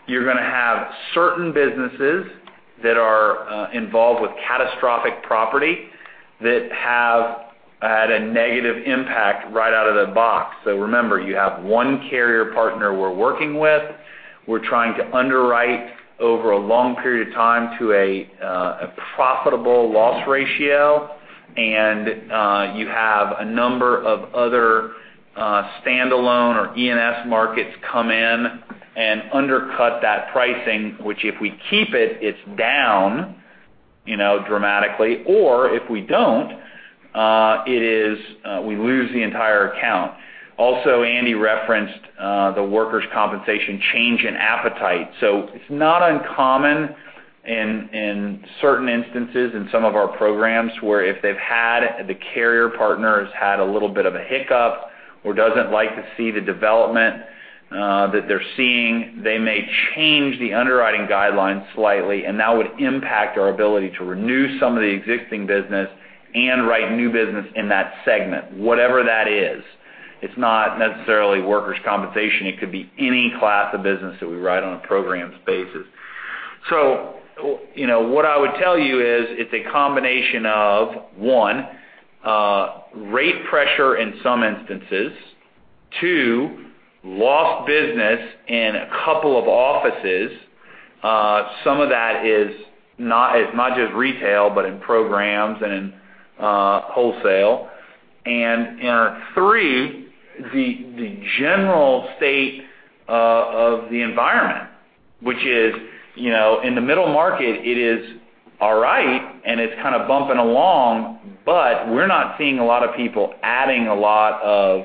you're going to have certain businesses that are involved with catastrophic property that have had a negative impact right out of the box. Remember, you have one carrier partner we're working with. We're trying to underwrite over a long period of time to a profitable loss ratio. You have a number of other standalone or E&S markets come in and undercut that pricing, which if we keep it's down dramatically, or if we don't, we lose the entire account. Also, Andy referenced the workers' compensation change in appetite. It's not uncommon in certain instances in some of our programs, where if the carrier partner has had a little bit of a hiccup or doesn't like to see the development that they're seeing, they may change the underwriting guidelines slightly, and that would impact our ability to renew some of the existing business and write new business in that segment, whatever that is. It's not necessarily workers' compensation. It could be any class of business that we write on a programs basis. What I would tell you is it's a combination of, one, rate pressure in some instances. Two, lost business in a couple of offices. Some of that is not just retail, but in programs and in wholesale. Three, the general state of the environment, which is, in the middle market, it is all right, and it's kind of bumping along, but we're not seeing a lot of people adding a lot of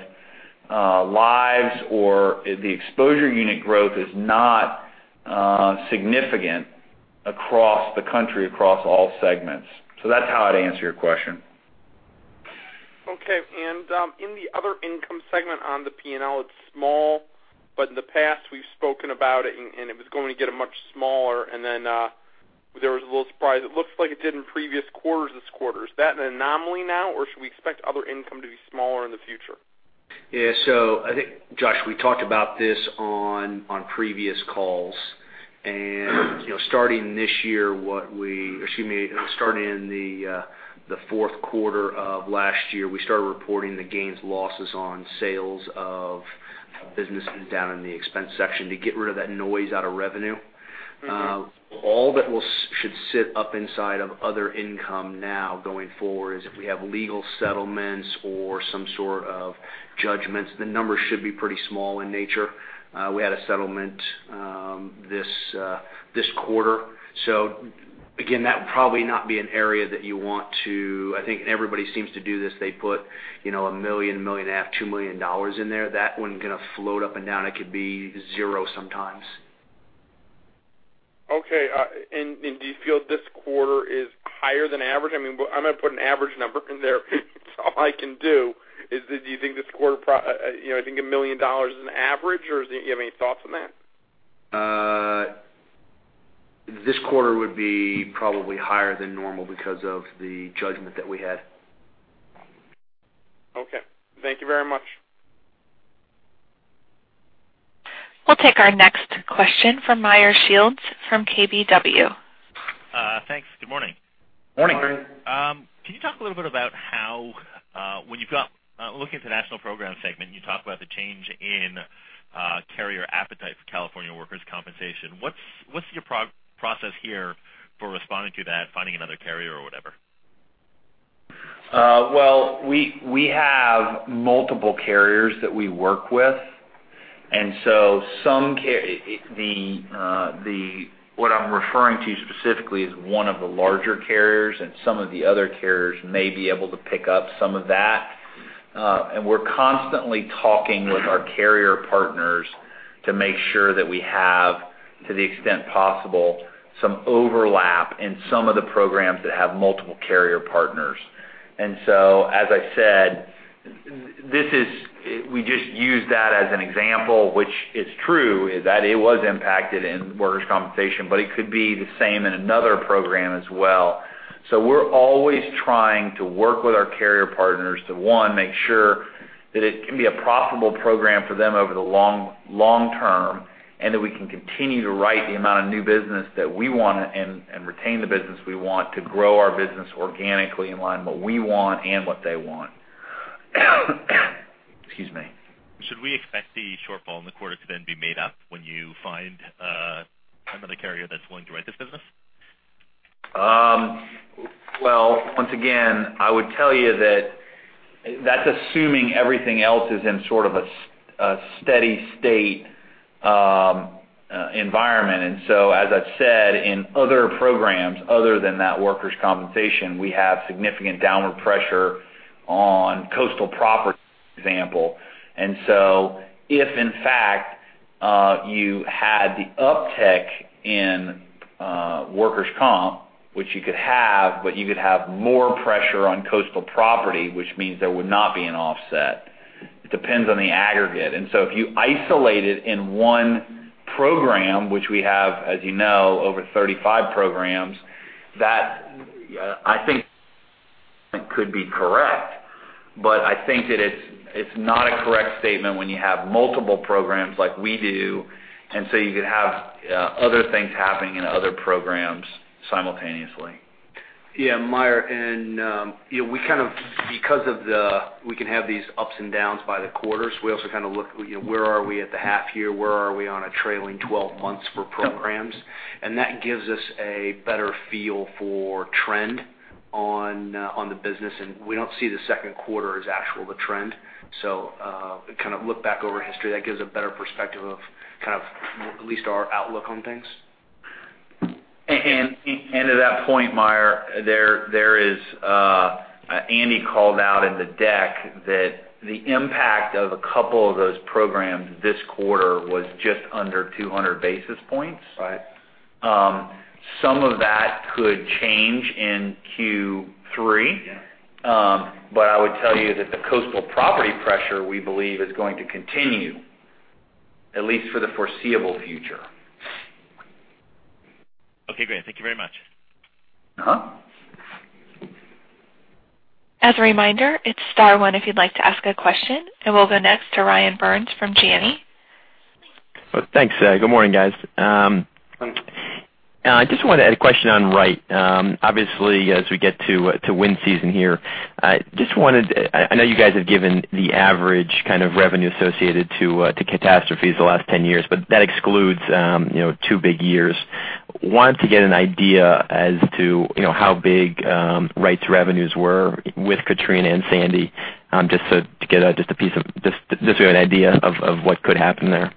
lives or the exposure unit growth is not significant across the country, across all segments. That's how I'd answer your question. Okay. In the other income segment on the P&L, it's small, but in the past, we've spoken about it, and it was going to get much smaller, and then there was a little surprise. It looks like it did in previous quarters this quarter. Is that an anomaly now, or should we expect other income to be smaller in the future? Yeah. I think, Josh, we talked about this on previous calls. Starting this year, Excuse me, starting in the fourth quarter of last year, we started reporting the gains, losses on sales of businesses down in the expense section to get rid of that noise out of revenue. All that should sit up inside of other income now going forward is if we have legal settlements or some sort of judgments. The numbers should be pretty small in nature. We had a settlement this quarter. Again, that would probably not be an area that you want to. I think everybody seems to do this. They put $1 million, $1.5 million, $2 million in there. That one's going to float up and down. It could be zero sometimes. Okay. Do you feel this quarter is higher than average? I'm going to put an average number in there. It's all I can do, is do you think this quarter, do you think $1 million is an average, or do you have any thoughts on that? This quarter would be probably higher than normal because of the judgment that we had. Okay. Thank you very much. We'll take our next question from Meyer Shields from KBW. Thanks. Good morning. Morning. Morning. Can you talk a little bit about how, when you look at the national program segment, you talk about the change in carrier appetite for California workers' compensation. What's your process here for responding to that, finding another carrier or whatever? Well, we have multiple carriers that we work with. What I'm referring to specifically is one of the larger carriers, and some of the other carriers may be able to pick up some of that. We're constantly talking with our carrier partners to make sure that we have, to the extent possible, some overlap in some of the programs that have multiple carrier partners. As I said, we just use that as an example, which is true, that it was impacted in workers' compensation, but it could be the same in another program as well. We're always trying to work with our carrier partners to, one, make sure that it can be a profitable program for them over the long term, and that we can continue to write the amount of new business that we want and retain the business we want to grow our business organically in line with what we want and what they want. Excuse me. Should we expect the shortfall in the quarter to then be made up when you find another carrier that's willing to write this business? Well, once again, I would tell you that that's assuming everything else is in sort of a steady state environment. As I've said, in other programs other than that workers' compensation, we have significant downward pressure on coastal property, for example. If, in fact, you had the uptick in workers' comp, which you could have, but you could have more pressure on coastal property, which means there would not be an offset. It depends on the aggregate. If you isolate it in one program, which we have, as you know, over 35 programs, that I think could be correct, but I think that it's not a correct statement when you have multiple programs like we do, and so you could have other things happening in other programs simultaneously. Yeah. Meyer, because we can have these ups and downs by the quarters, we also kind of look, where are we at the half year? Where are we on a trailing 12 months for programs? That gives us a better feel for trend on the business, and we don't see the second quarter as actual the trend. Kind of look back over history. That gives a better perspective of kind of at least our outlook on things. To that point, Meyer, Andy called out in the deck that the impact of a couple of those programs this quarter was just under 200 basis points. Right. Some of that could change in Q3. Yeah. I would tell you that the coastal property pressure, we believe, is going to continue, at least for the foreseeable future. Okay, great. Thank you very much. As a reminder, it's star one if you'd like to ask a question, and we'll go next to Ryan Byrnes from Janney. Well, thanks. Good morning, guys. Good morning. I just wanted a question on Wright. Obviously, as we get to wind season here, I know you guys have given the average kind of revenue associated to catastrophes the last 10 years, but that excludes two big years. Wanted to get an idea as to how big Wright's revenues were with Katrina and Sandy, just to get an idea of what could happen there.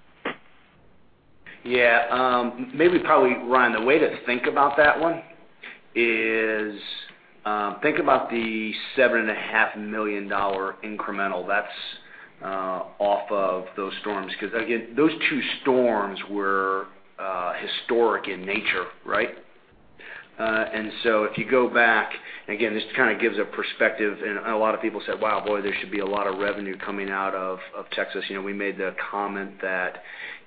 Yeah. Maybe, probably, Ryan, the way to think about that one is, think about the $7.5 million incremental. That's off of those storms. Because, again, those two storms were historic in nature, right? If you go back, and again, this kind of gives a perspective, and a lot of people said, "Wow, boy, there should be a lot of revenue coming out of Texas." We made the comment that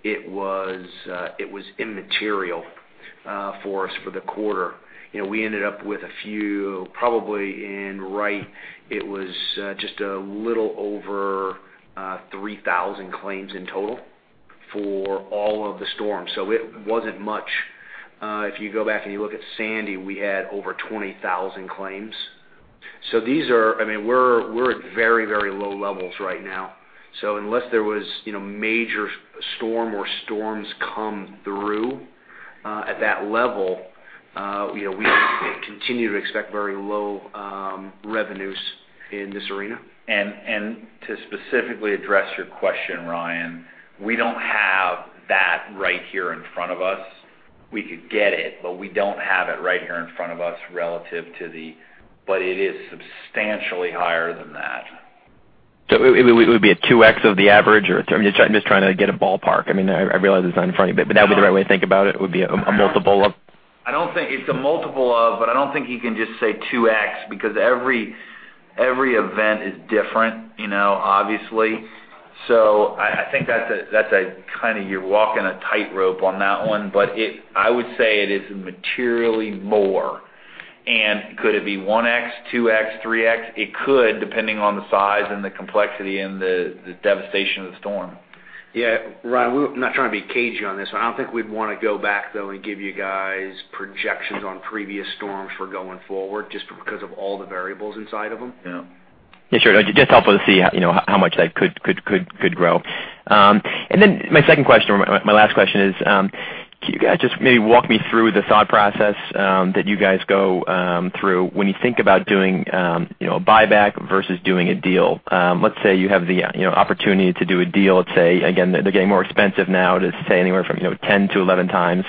it was immaterial for us for the quarter. We ended up with a few, probably in Wright, it was just a little over 3,000 claims in total for all of the storms. It wasn't much. If you go back and you look at Sandy, we had over 20,000 claims. We're at very low levels right now. Unless there was major storm or storms come through, at that level, we continue to expect very low revenues in this arena. To specifically address your question, Ryan, we don't have that right here in front of us. We could get it, but we don't have it right here in front of us. It is substantially higher than that. It would be a 2x of the average? I'm just trying to get a ballpark. I realize it's not in front of you, but that would be the right way to think about it, would be a multiple of? It's a multiple of, I don't think you can just say 2x because every event is different, obviously. I think you're walking a tightrope on that one. I would say it is materially more. Could it be 1x, 2x, 3x? It could, depending on the size and the complexity and the devastation of the storm. Yeah. Ryan, I'm not trying to be cagey on this one. I don't think we'd want to go back, though, and give you guys projections on previous storms for going forward, just because of all the variables inside of them. Yeah. Yeah, sure. Just helpful to see how much that could grow. Then my last question is, can you guys just maybe walk me through the thought process that you guys go through when you think about doing a buyback versus doing a deal? Let's say you have the opportunity to do a deal, let's say, again, they're getting more expensive now, let's say anywhere from 10 to 11 times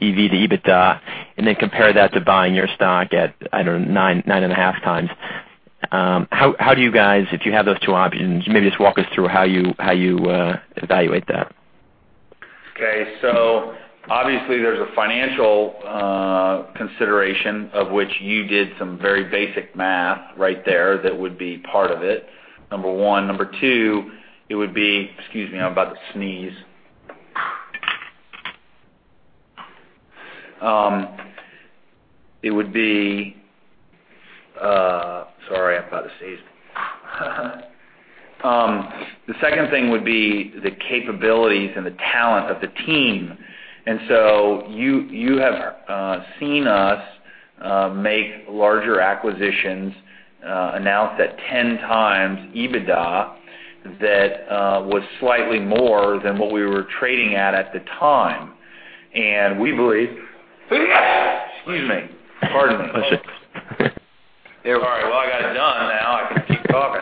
EV to EBITDA, and then compare that to buying your stock at, I don't know, nine and a half times. How do you guys, if you have those two options, maybe just walk us through how you evaluate that? Okay. Obviously there's a financial consideration of which you did some very basic math right there that would be part of it, number one. Number two, Excuse me, I'm about to sneeze. Sorry, I'm about to sneeze. The second thing would be the capabilities and the talent of the team. You have seen us make larger acquisitions, announce at 10x EBITDA that was slightly more than what we were trading at at the time, and we believe Excuse me. Pardon me. Sorry. Well, I got it done now. I can keep talking.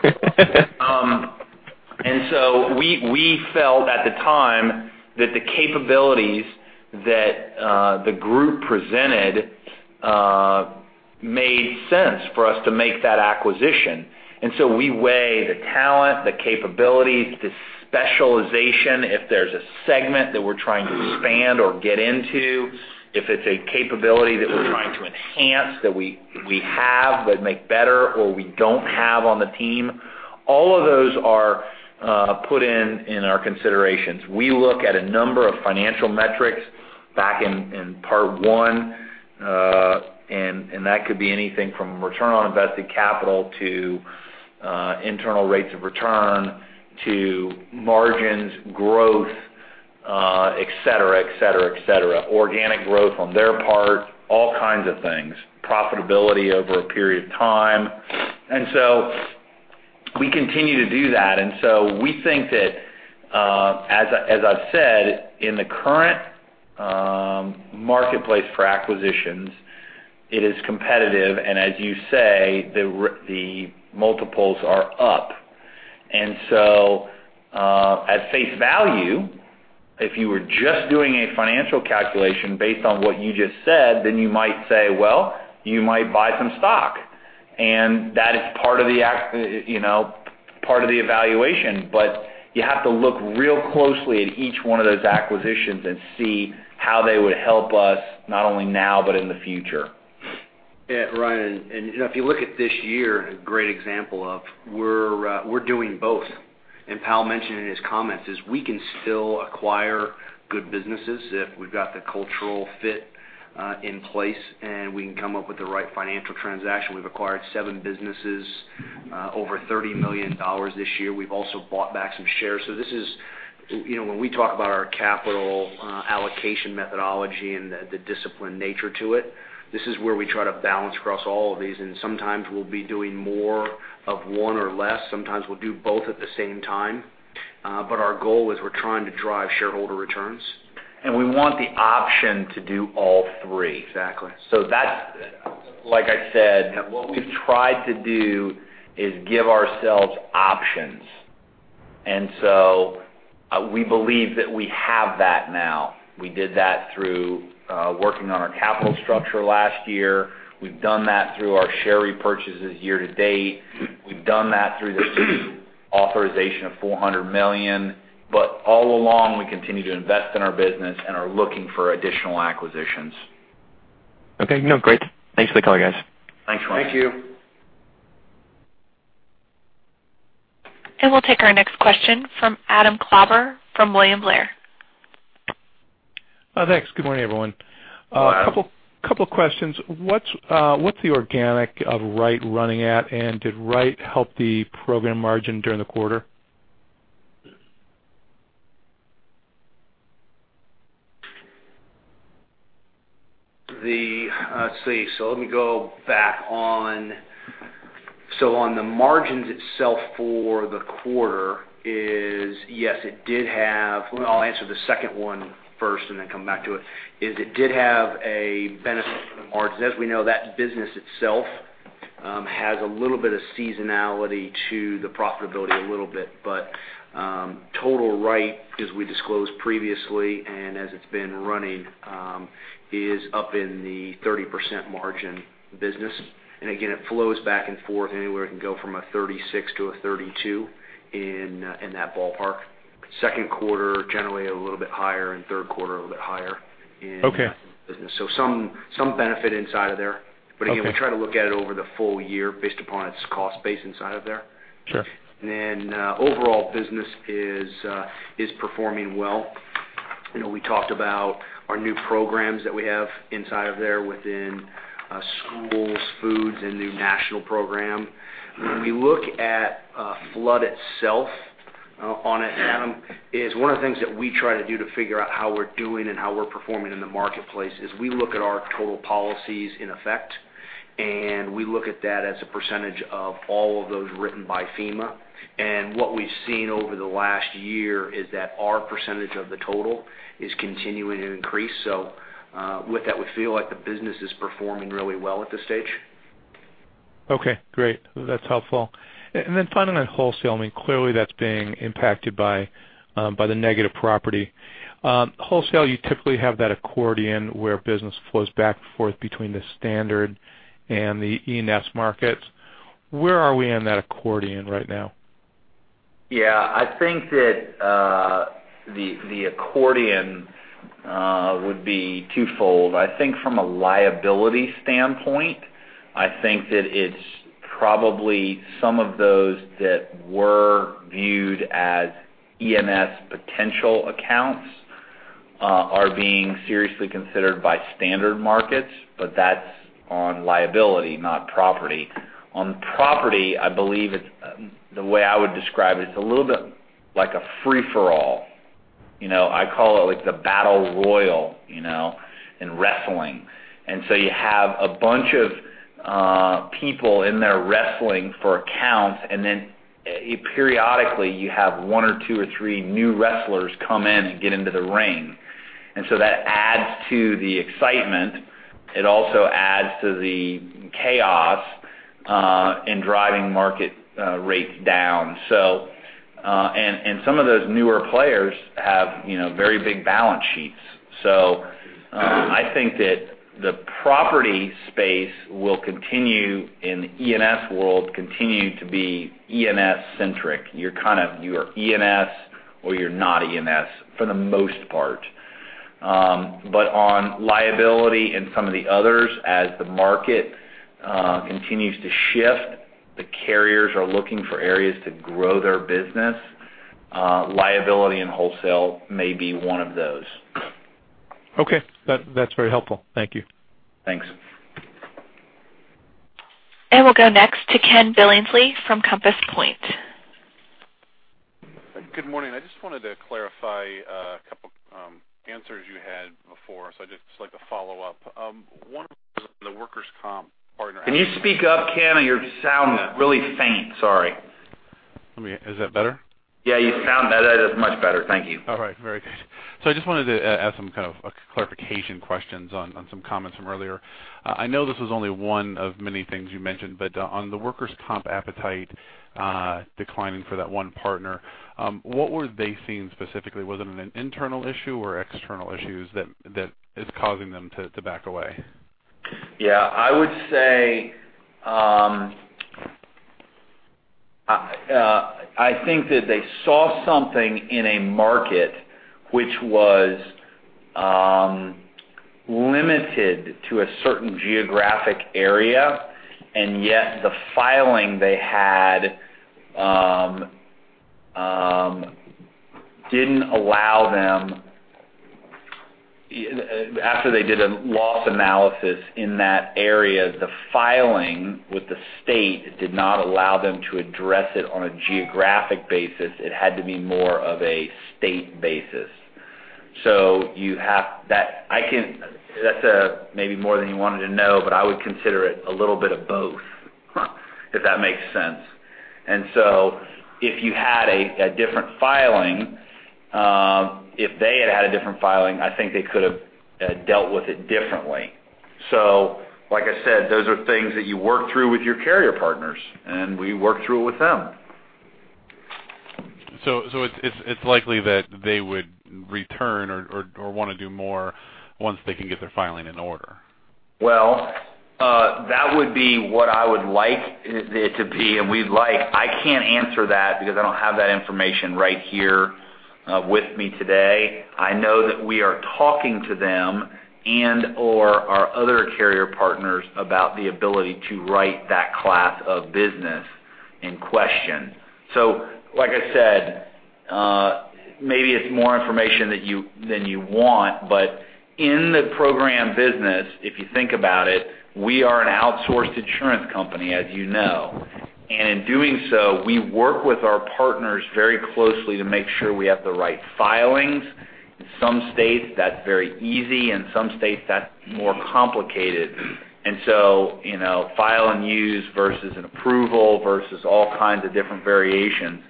We felt at the time that the capabilities that the group presented made sense for us to make that acquisition. We weigh the talent, the capabilities, the specialization, if there's a segment that we're trying to expand or get into, if it's a capability that we're trying to enhance, that we have, would make better, or we don't have on the team. All of those are put in in our considerations. We look at a number of financial metrics back in part one. That could be anything from return on invested capital to internal rates of return to margins, growth, et cetera, organic growth on their part, all kinds of things, profitability over a period of time. We continue to do that. We think that, as I've said, in the current marketplace for acquisitions, it is competitive. As you say, the multiples are up. At face value, if you were just doing a financial calculation based on what you just said, then you might say, well, you might buy some stock. That is part of the evaluation. You have to look real closely at each one of those acquisitions and see how they would help us, not only now but in the future. Yeah. Ryan, if you look at this year, a great example of we're doing both. Pal mentioned in his comments is we can still acquire good businesses if we've got the cultural fit in place, and we can come up with the right financial transaction. We've acquired 7 businesses, over $30 million this year. We've also bought back some shares. When we talk about our capital allocation methodology and the disciplined nature to it, this is where we try to balance across all of these. Sometimes we'll be doing more of one or less. Sometimes we'll do both at the same time. Our goal is we're trying to drive shareholder returns. We want the option to do all three. Exactly. That's, like I said, what we've tried to do is give ourselves options. We believe that we have that now. We did that through working on our capital structure last year. We've done that through our share repurchases year to date. We've done that through the authorization of $400 million. All along, we continue to invest in our business and are looking for additional acquisitions. Okay, no, great. Thanks for the call, guys. Thanks, Ryan. Thank you. We'll take our next question from Adam Klauber from William Blair. Thanks. Good morning, everyone. Good morning. A couple of questions. What's the organic of Wright running at? Did Wright help the program margin during the quarter? Let's see. Let me go back on. On the margins itself for the quarter is yes, it did have a benefit on the margins. As we know, that business itself has a little bit of seasonality to the profitability a little bit, but total Wright, as we disclosed previously and as it's been running, is up in the 30% margin business. Again, it flows back and forth anywhere. It can go from a 36% to a 32% in that ballpark. Second quarter, generally a little bit higher, and third quarter a little bit higher in- Okay the business. Some benefit inside of there. Okay. Again, we try to look at it over the full year based upon its cost base inside of there. Sure. Overall business is performing well. We talked about our new programs that we have inside of there within schools, foods, and new national program. When we look at flood itself on it, Adam, is one of the things that we try to do to figure out how we're doing and how we're performing in the marketplace is we look at our total policies in effect, and we look at that as a percentage of all of those written by FEMA. What we've seen over the last year is that our percentage of the total is continuing to increase. With that, we feel like the business is performing really well at this stage. Okay, great. That's helpful. Finally, wholesale. Clearly, that's being impacted by the negative property. Wholesale, you typically have that accordion where business flows back and forth between the standard and the E&S markets. Where are we in that accordion right now? I think that the accordion would be twofold. I think from a liability standpoint, I think that it's probably some of those that were viewed as E&S potential accounts are being seriously considered by standard markets, but that's on liability, not property. On property, I believe the way I would describe it's a little bit like a free-for-all. I call it like the battle royal in wrestling. You have a bunch of people in there wrestling for accounts, then periodically, you have one or two or three new wrestlers come in and get into the ring. That adds to the excitement. It also adds to the chaos in driving market rates down. Some of those newer players have very big balance sheets. I think that the property space will continue, in the E&S world, continue to be E&S centric. You're E&S or you're not E&S, for the most part. On liability and some of the others, as the market continues to shift, the carriers are looking for areas to grow their business. Liability and wholesale may be one of those. Okay. That's very helpful. Thank you. Thanks. We'll go next to Ken Billingsley from Compass Point. Good morning. I just wanted to clarify a couple answers you had before, so I'd just like to follow up. One of the workers' comp partner- Can you speak up, Ken? Your sound is really faint. Sorry. Is that better? Yeah, you sound better. That is much better. Thank you. All right, very good. I just wanted to ask some kind of clarification questions on some comments from earlier. I know this was only one of many things you mentioned, but on the workers' comp appetite declining for that one partner, what were they seeing specifically? Was it an internal issue or external issues that is causing them to back away? Yeah, I would say, I think that they saw something in a market which was limited to a certain geographic area, and yet the filing they had didn't allow them After they did a loss analysis in that area, the filing with the state did not allow them to address it on a geographic basis. It had to be more of a state basis. That's maybe more than you wanted to know, but I would consider it a little bit of both, if that makes sense. If you had a different filing, if they had a different filing, I think they could have dealt with it differently. Like I said, those are things that you work through with your carrier partners, and we worked through it with them. It's likely that they would return or want to do more once they can get their filing in order. Well, that would be what I would like it to be. I can't answer that because I don't have that information right here with me today. I know that we are talking to them and/or our other carrier partners about the ability to write that class of business in question. Like I said, maybe it's more information than you want, but in the program business, if you think about it, we are an outsourced insurance company, as you know. In doing so, we work with our partners very closely to make sure we have the right filings. In some states, that's very easy. In some states, that's more complicated. File and use versus an approval versus all kinds of different variations.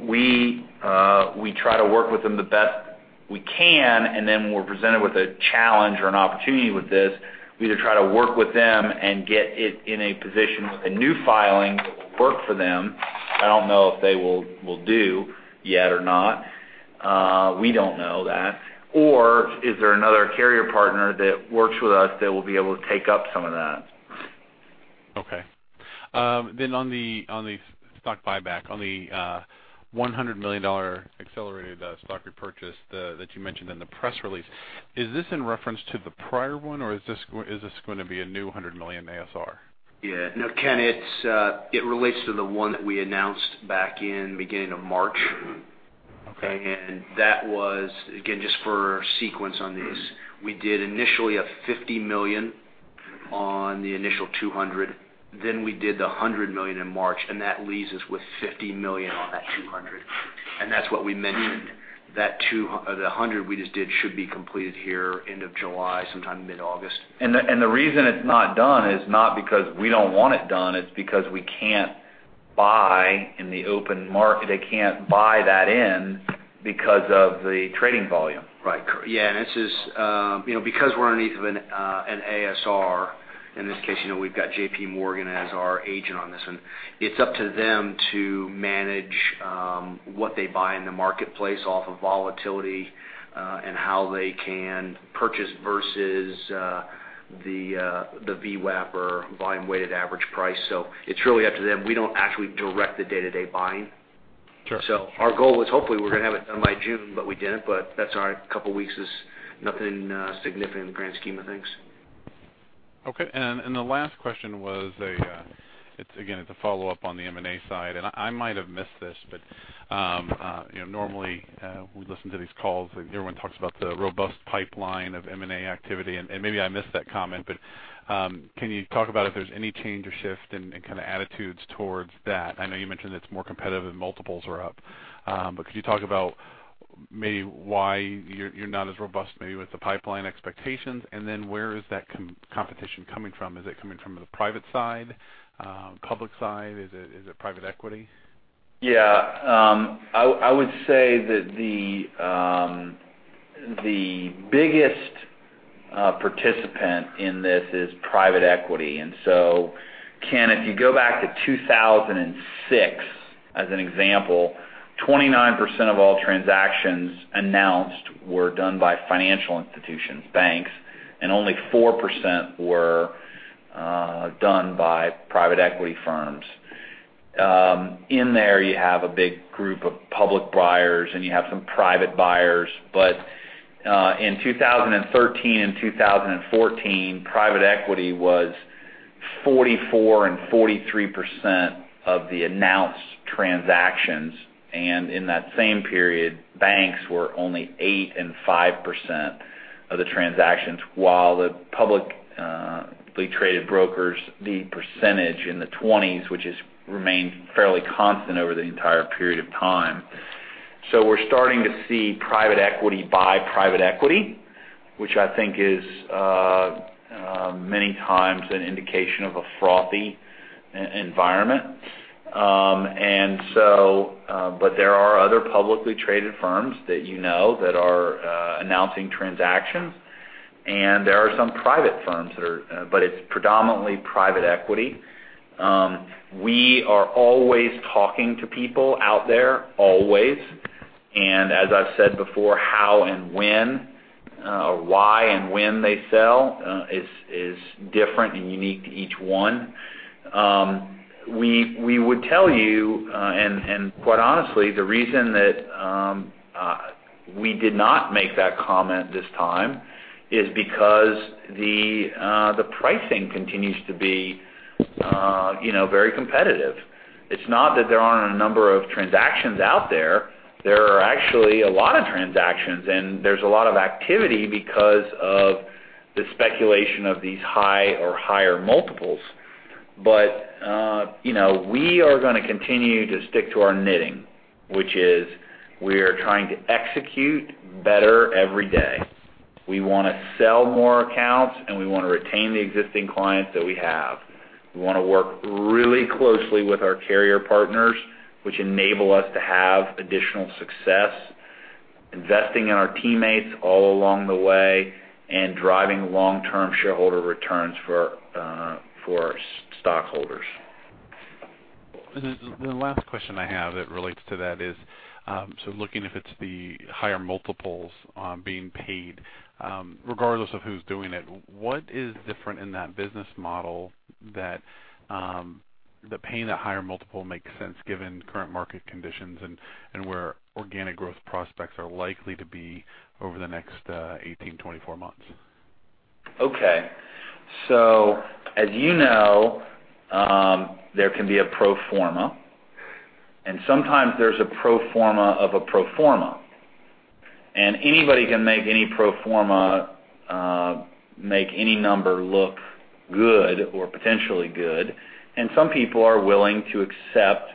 We try to work with them the best we can, and then when we're presented with a challenge or an opportunity with this, we either try to work with them and get it in a position with a new filing that will work for them. I don't know if they will do yet or not. We don't know that. Is there another carrier partner that works with us that will be able to take up some of that? Okay. On the stock buyback, on the $100 million accelerated stock repurchase that you mentioned in the press release, is this in reference to the prior one, or is this going to be a new 100 million ASR? Yeah. No, Ken, it relates to the one that we announced back in the beginning of March. Okay. That was, again, just for sequence on these, we did initially a $50 million on the initial $200 million. We did the $100 million in March, that leaves us with $50 million on that $200 million. That's what we mentioned, the $100 million we just did should be completed here end of July, sometime mid-August. The reason it's not done is not because we don't want it done, it's because we can't buy in the open market. They can't buy that in because of the trading volume. Right. Yeah. Because we're underneath of an ASR, in this case, we've got J.P. Morgan as our agent on this one. It's up to them to manage what they buy in the marketplace off of volatility and how they can purchase versus the VWAP or volume weighted average price. It's really up to them. We don't actually direct the day-to-day buying. Sure. Our goal was hopefully we were going to have it done by June, we didn't. That's all right. A couple of weeks is nothing significant in the grand scheme of things. Okay. The last question was, again, it's a follow-up on the M&A side. I might have missed this, but normally, we listen to these calls, everyone talks about the robust pipeline of M&A activity, maybe I missed that comment, but can you talk about if there's any change or shift in attitudes towards that? I know you mentioned it's more competitive and multiples are up. Could you talk about maybe why you're not as robust maybe with the pipeline expectations, and then where is that competition coming from? Is it coming from the private side, public side? Is it private equity? Yeah. I would say that the biggest participant in this is private equity. Ken, if you go back to 2006, as an example, 29% of all transactions announced were done by financial institutions, banks, and only 4% were done by private equity firms. In there, you have a big group of public buyers, and you have some private buyers. In 2013 and 2014, private equity was 44% and 43% of the announced transactions. In that same period, banks were only 8% and 5% of the transactions, while the publicly traded brokers, the percentage in the 20s, which has remained fairly constant over the entire period of time. We're starting to see private equity buy private equity, which I think is many times an indication of a frothy environment. There are other publicly traded firms that you know that are announcing transactions, there are some private firms, but it's predominantly private equity. We are always talking to people out there, always. As I've said before, how and when, or why and when they sell is different and unique to each one. We would tell you, quite honestly, the reason that we did not make that comment this time is because the pricing continues to be very competitive. It's not that there aren't a number of transactions out there. There are actually a lot of transactions, there's a lot of activity because of the speculation of these high or higher multiples. We are going to continue to stick to our knitting, which is we are trying to execute better every day. We want to sell more accounts. We want to retain the existing clients that we have. We want to work really closely with our carrier partners, which enable us to have additional success, investing in our teammates all along the way, and driving long-term shareholder returns for stockholders. The last question I have that relates to that is, looking if it's the higher multiples being paid, regardless of who's doing it, what is different in that business model that paying that higher multiple makes sense given current market conditions and where organic growth prospects are likely to be over the next 18 to 24 months? Okay. As you know, there can be a pro forma. Sometimes there's a pro forma of a pro forma. Anybody can make any pro forma make any number look good or potentially good, and some people are willing to accept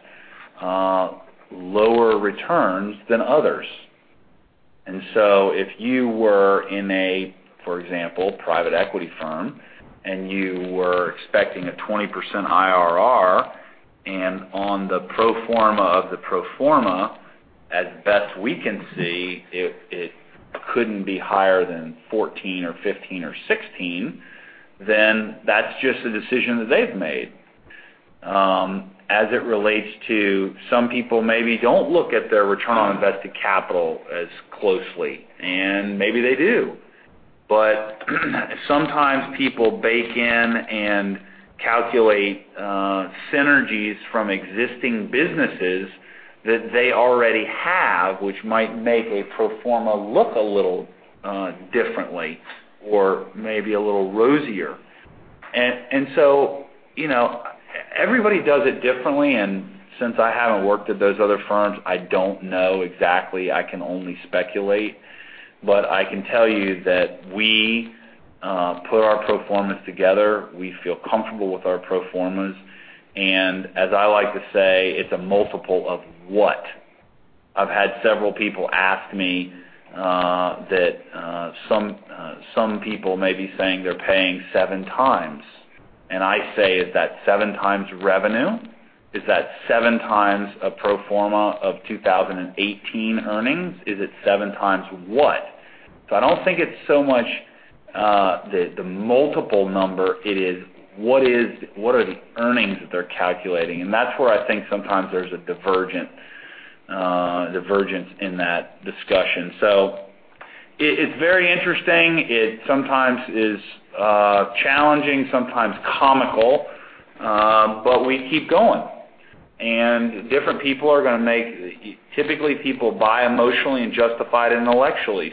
lower returns than others. If you were in a, for example, private equity firm, and you were expecting a 20% IRR, and on the pro forma of the pro forma, as best we can see, it couldn't be higher than 14 or 15 or 16, then that's just a decision that they've made. As it relates to some people maybe don't look at their return on invested capital as closely, and maybe they do. Sometimes people bake in and calculate synergies from existing businesses that they already have, which might make a pro forma look a little differently or maybe a little rosier. Everybody does it differently, and since I haven't worked at those other firms, I don't know exactly. I can only speculate. I can tell you that we put our pro formas together. We feel comfortable with our pro formas. As I like to say, it's a multiple of what? I've had several people ask me that some people may be saying they're paying seven times. I say, "Is that seven times revenue? Is that seven times a pro forma of 2018 earnings? Is it seven times what?" I don't think it's so much the multiple number, it is what are the earnings that they're calculating? That's where I think sometimes there's a divergence in that discussion. It's very interesting. It sometimes is challenging, sometimes comical, but we keep going. Typically people buy emotionally and justify it intellectually.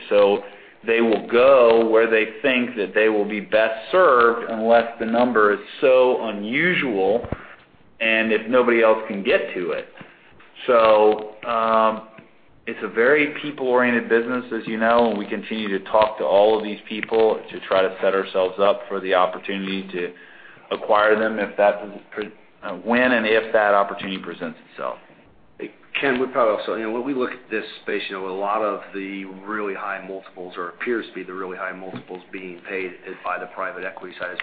They will go where they think that they will be best served unless the number is so unusual and if nobody else can get to it. It's a very people-oriented business, as you know, and we continue to talk to all of these people to try to set ourselves up for the opportunity to acquire them when and if that opportunity presents itself. Ken, when we look at this space, a lot of the really high multiples, or appears to be the really high multiples being paid is by the private equity side, as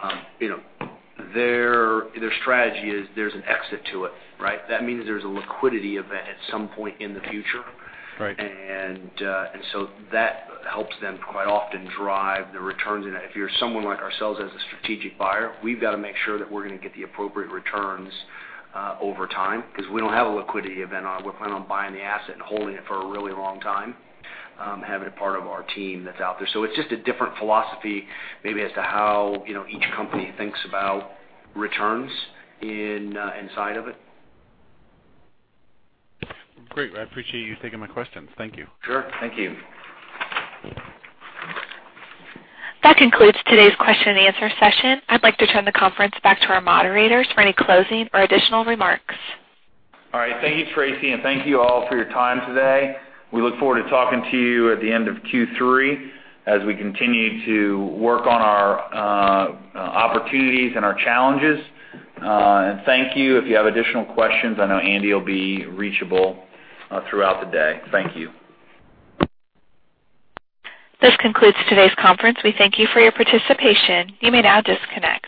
Powell mentioned. Their strategy is there's an exit to it, right? That means there's a liquidity event at some point in the future. Wright. That helps them quite often drive the returns in it. If you're someone like ourselves as a strategic buyer, we've got to make sure that we're going to get the appropriate returns over time because we don't have a liquidity event. We're planning on buying the asset and holding it for a really long time, having it part of our team that's out there. It's just a different philosophy maybe as to how each company thinks about returns inside of it. Great. I appreciate you taking my questions. Thank you. Sure. Thank you. That concludes today's question and answer session. I'd like to turn the conference back to our moderators for any closing or additional remarks. All right. Thank you, Tracy, and thank you all for your time today. We look forward to talking to you at the end of Q3 as we continue to work on our opportunities and our challenges. Thank you. If you have additional questions, I know Andy will be reachable throughout the day. Thank you. This concludes today's conference. We thank you for your participation. You may now disconnect.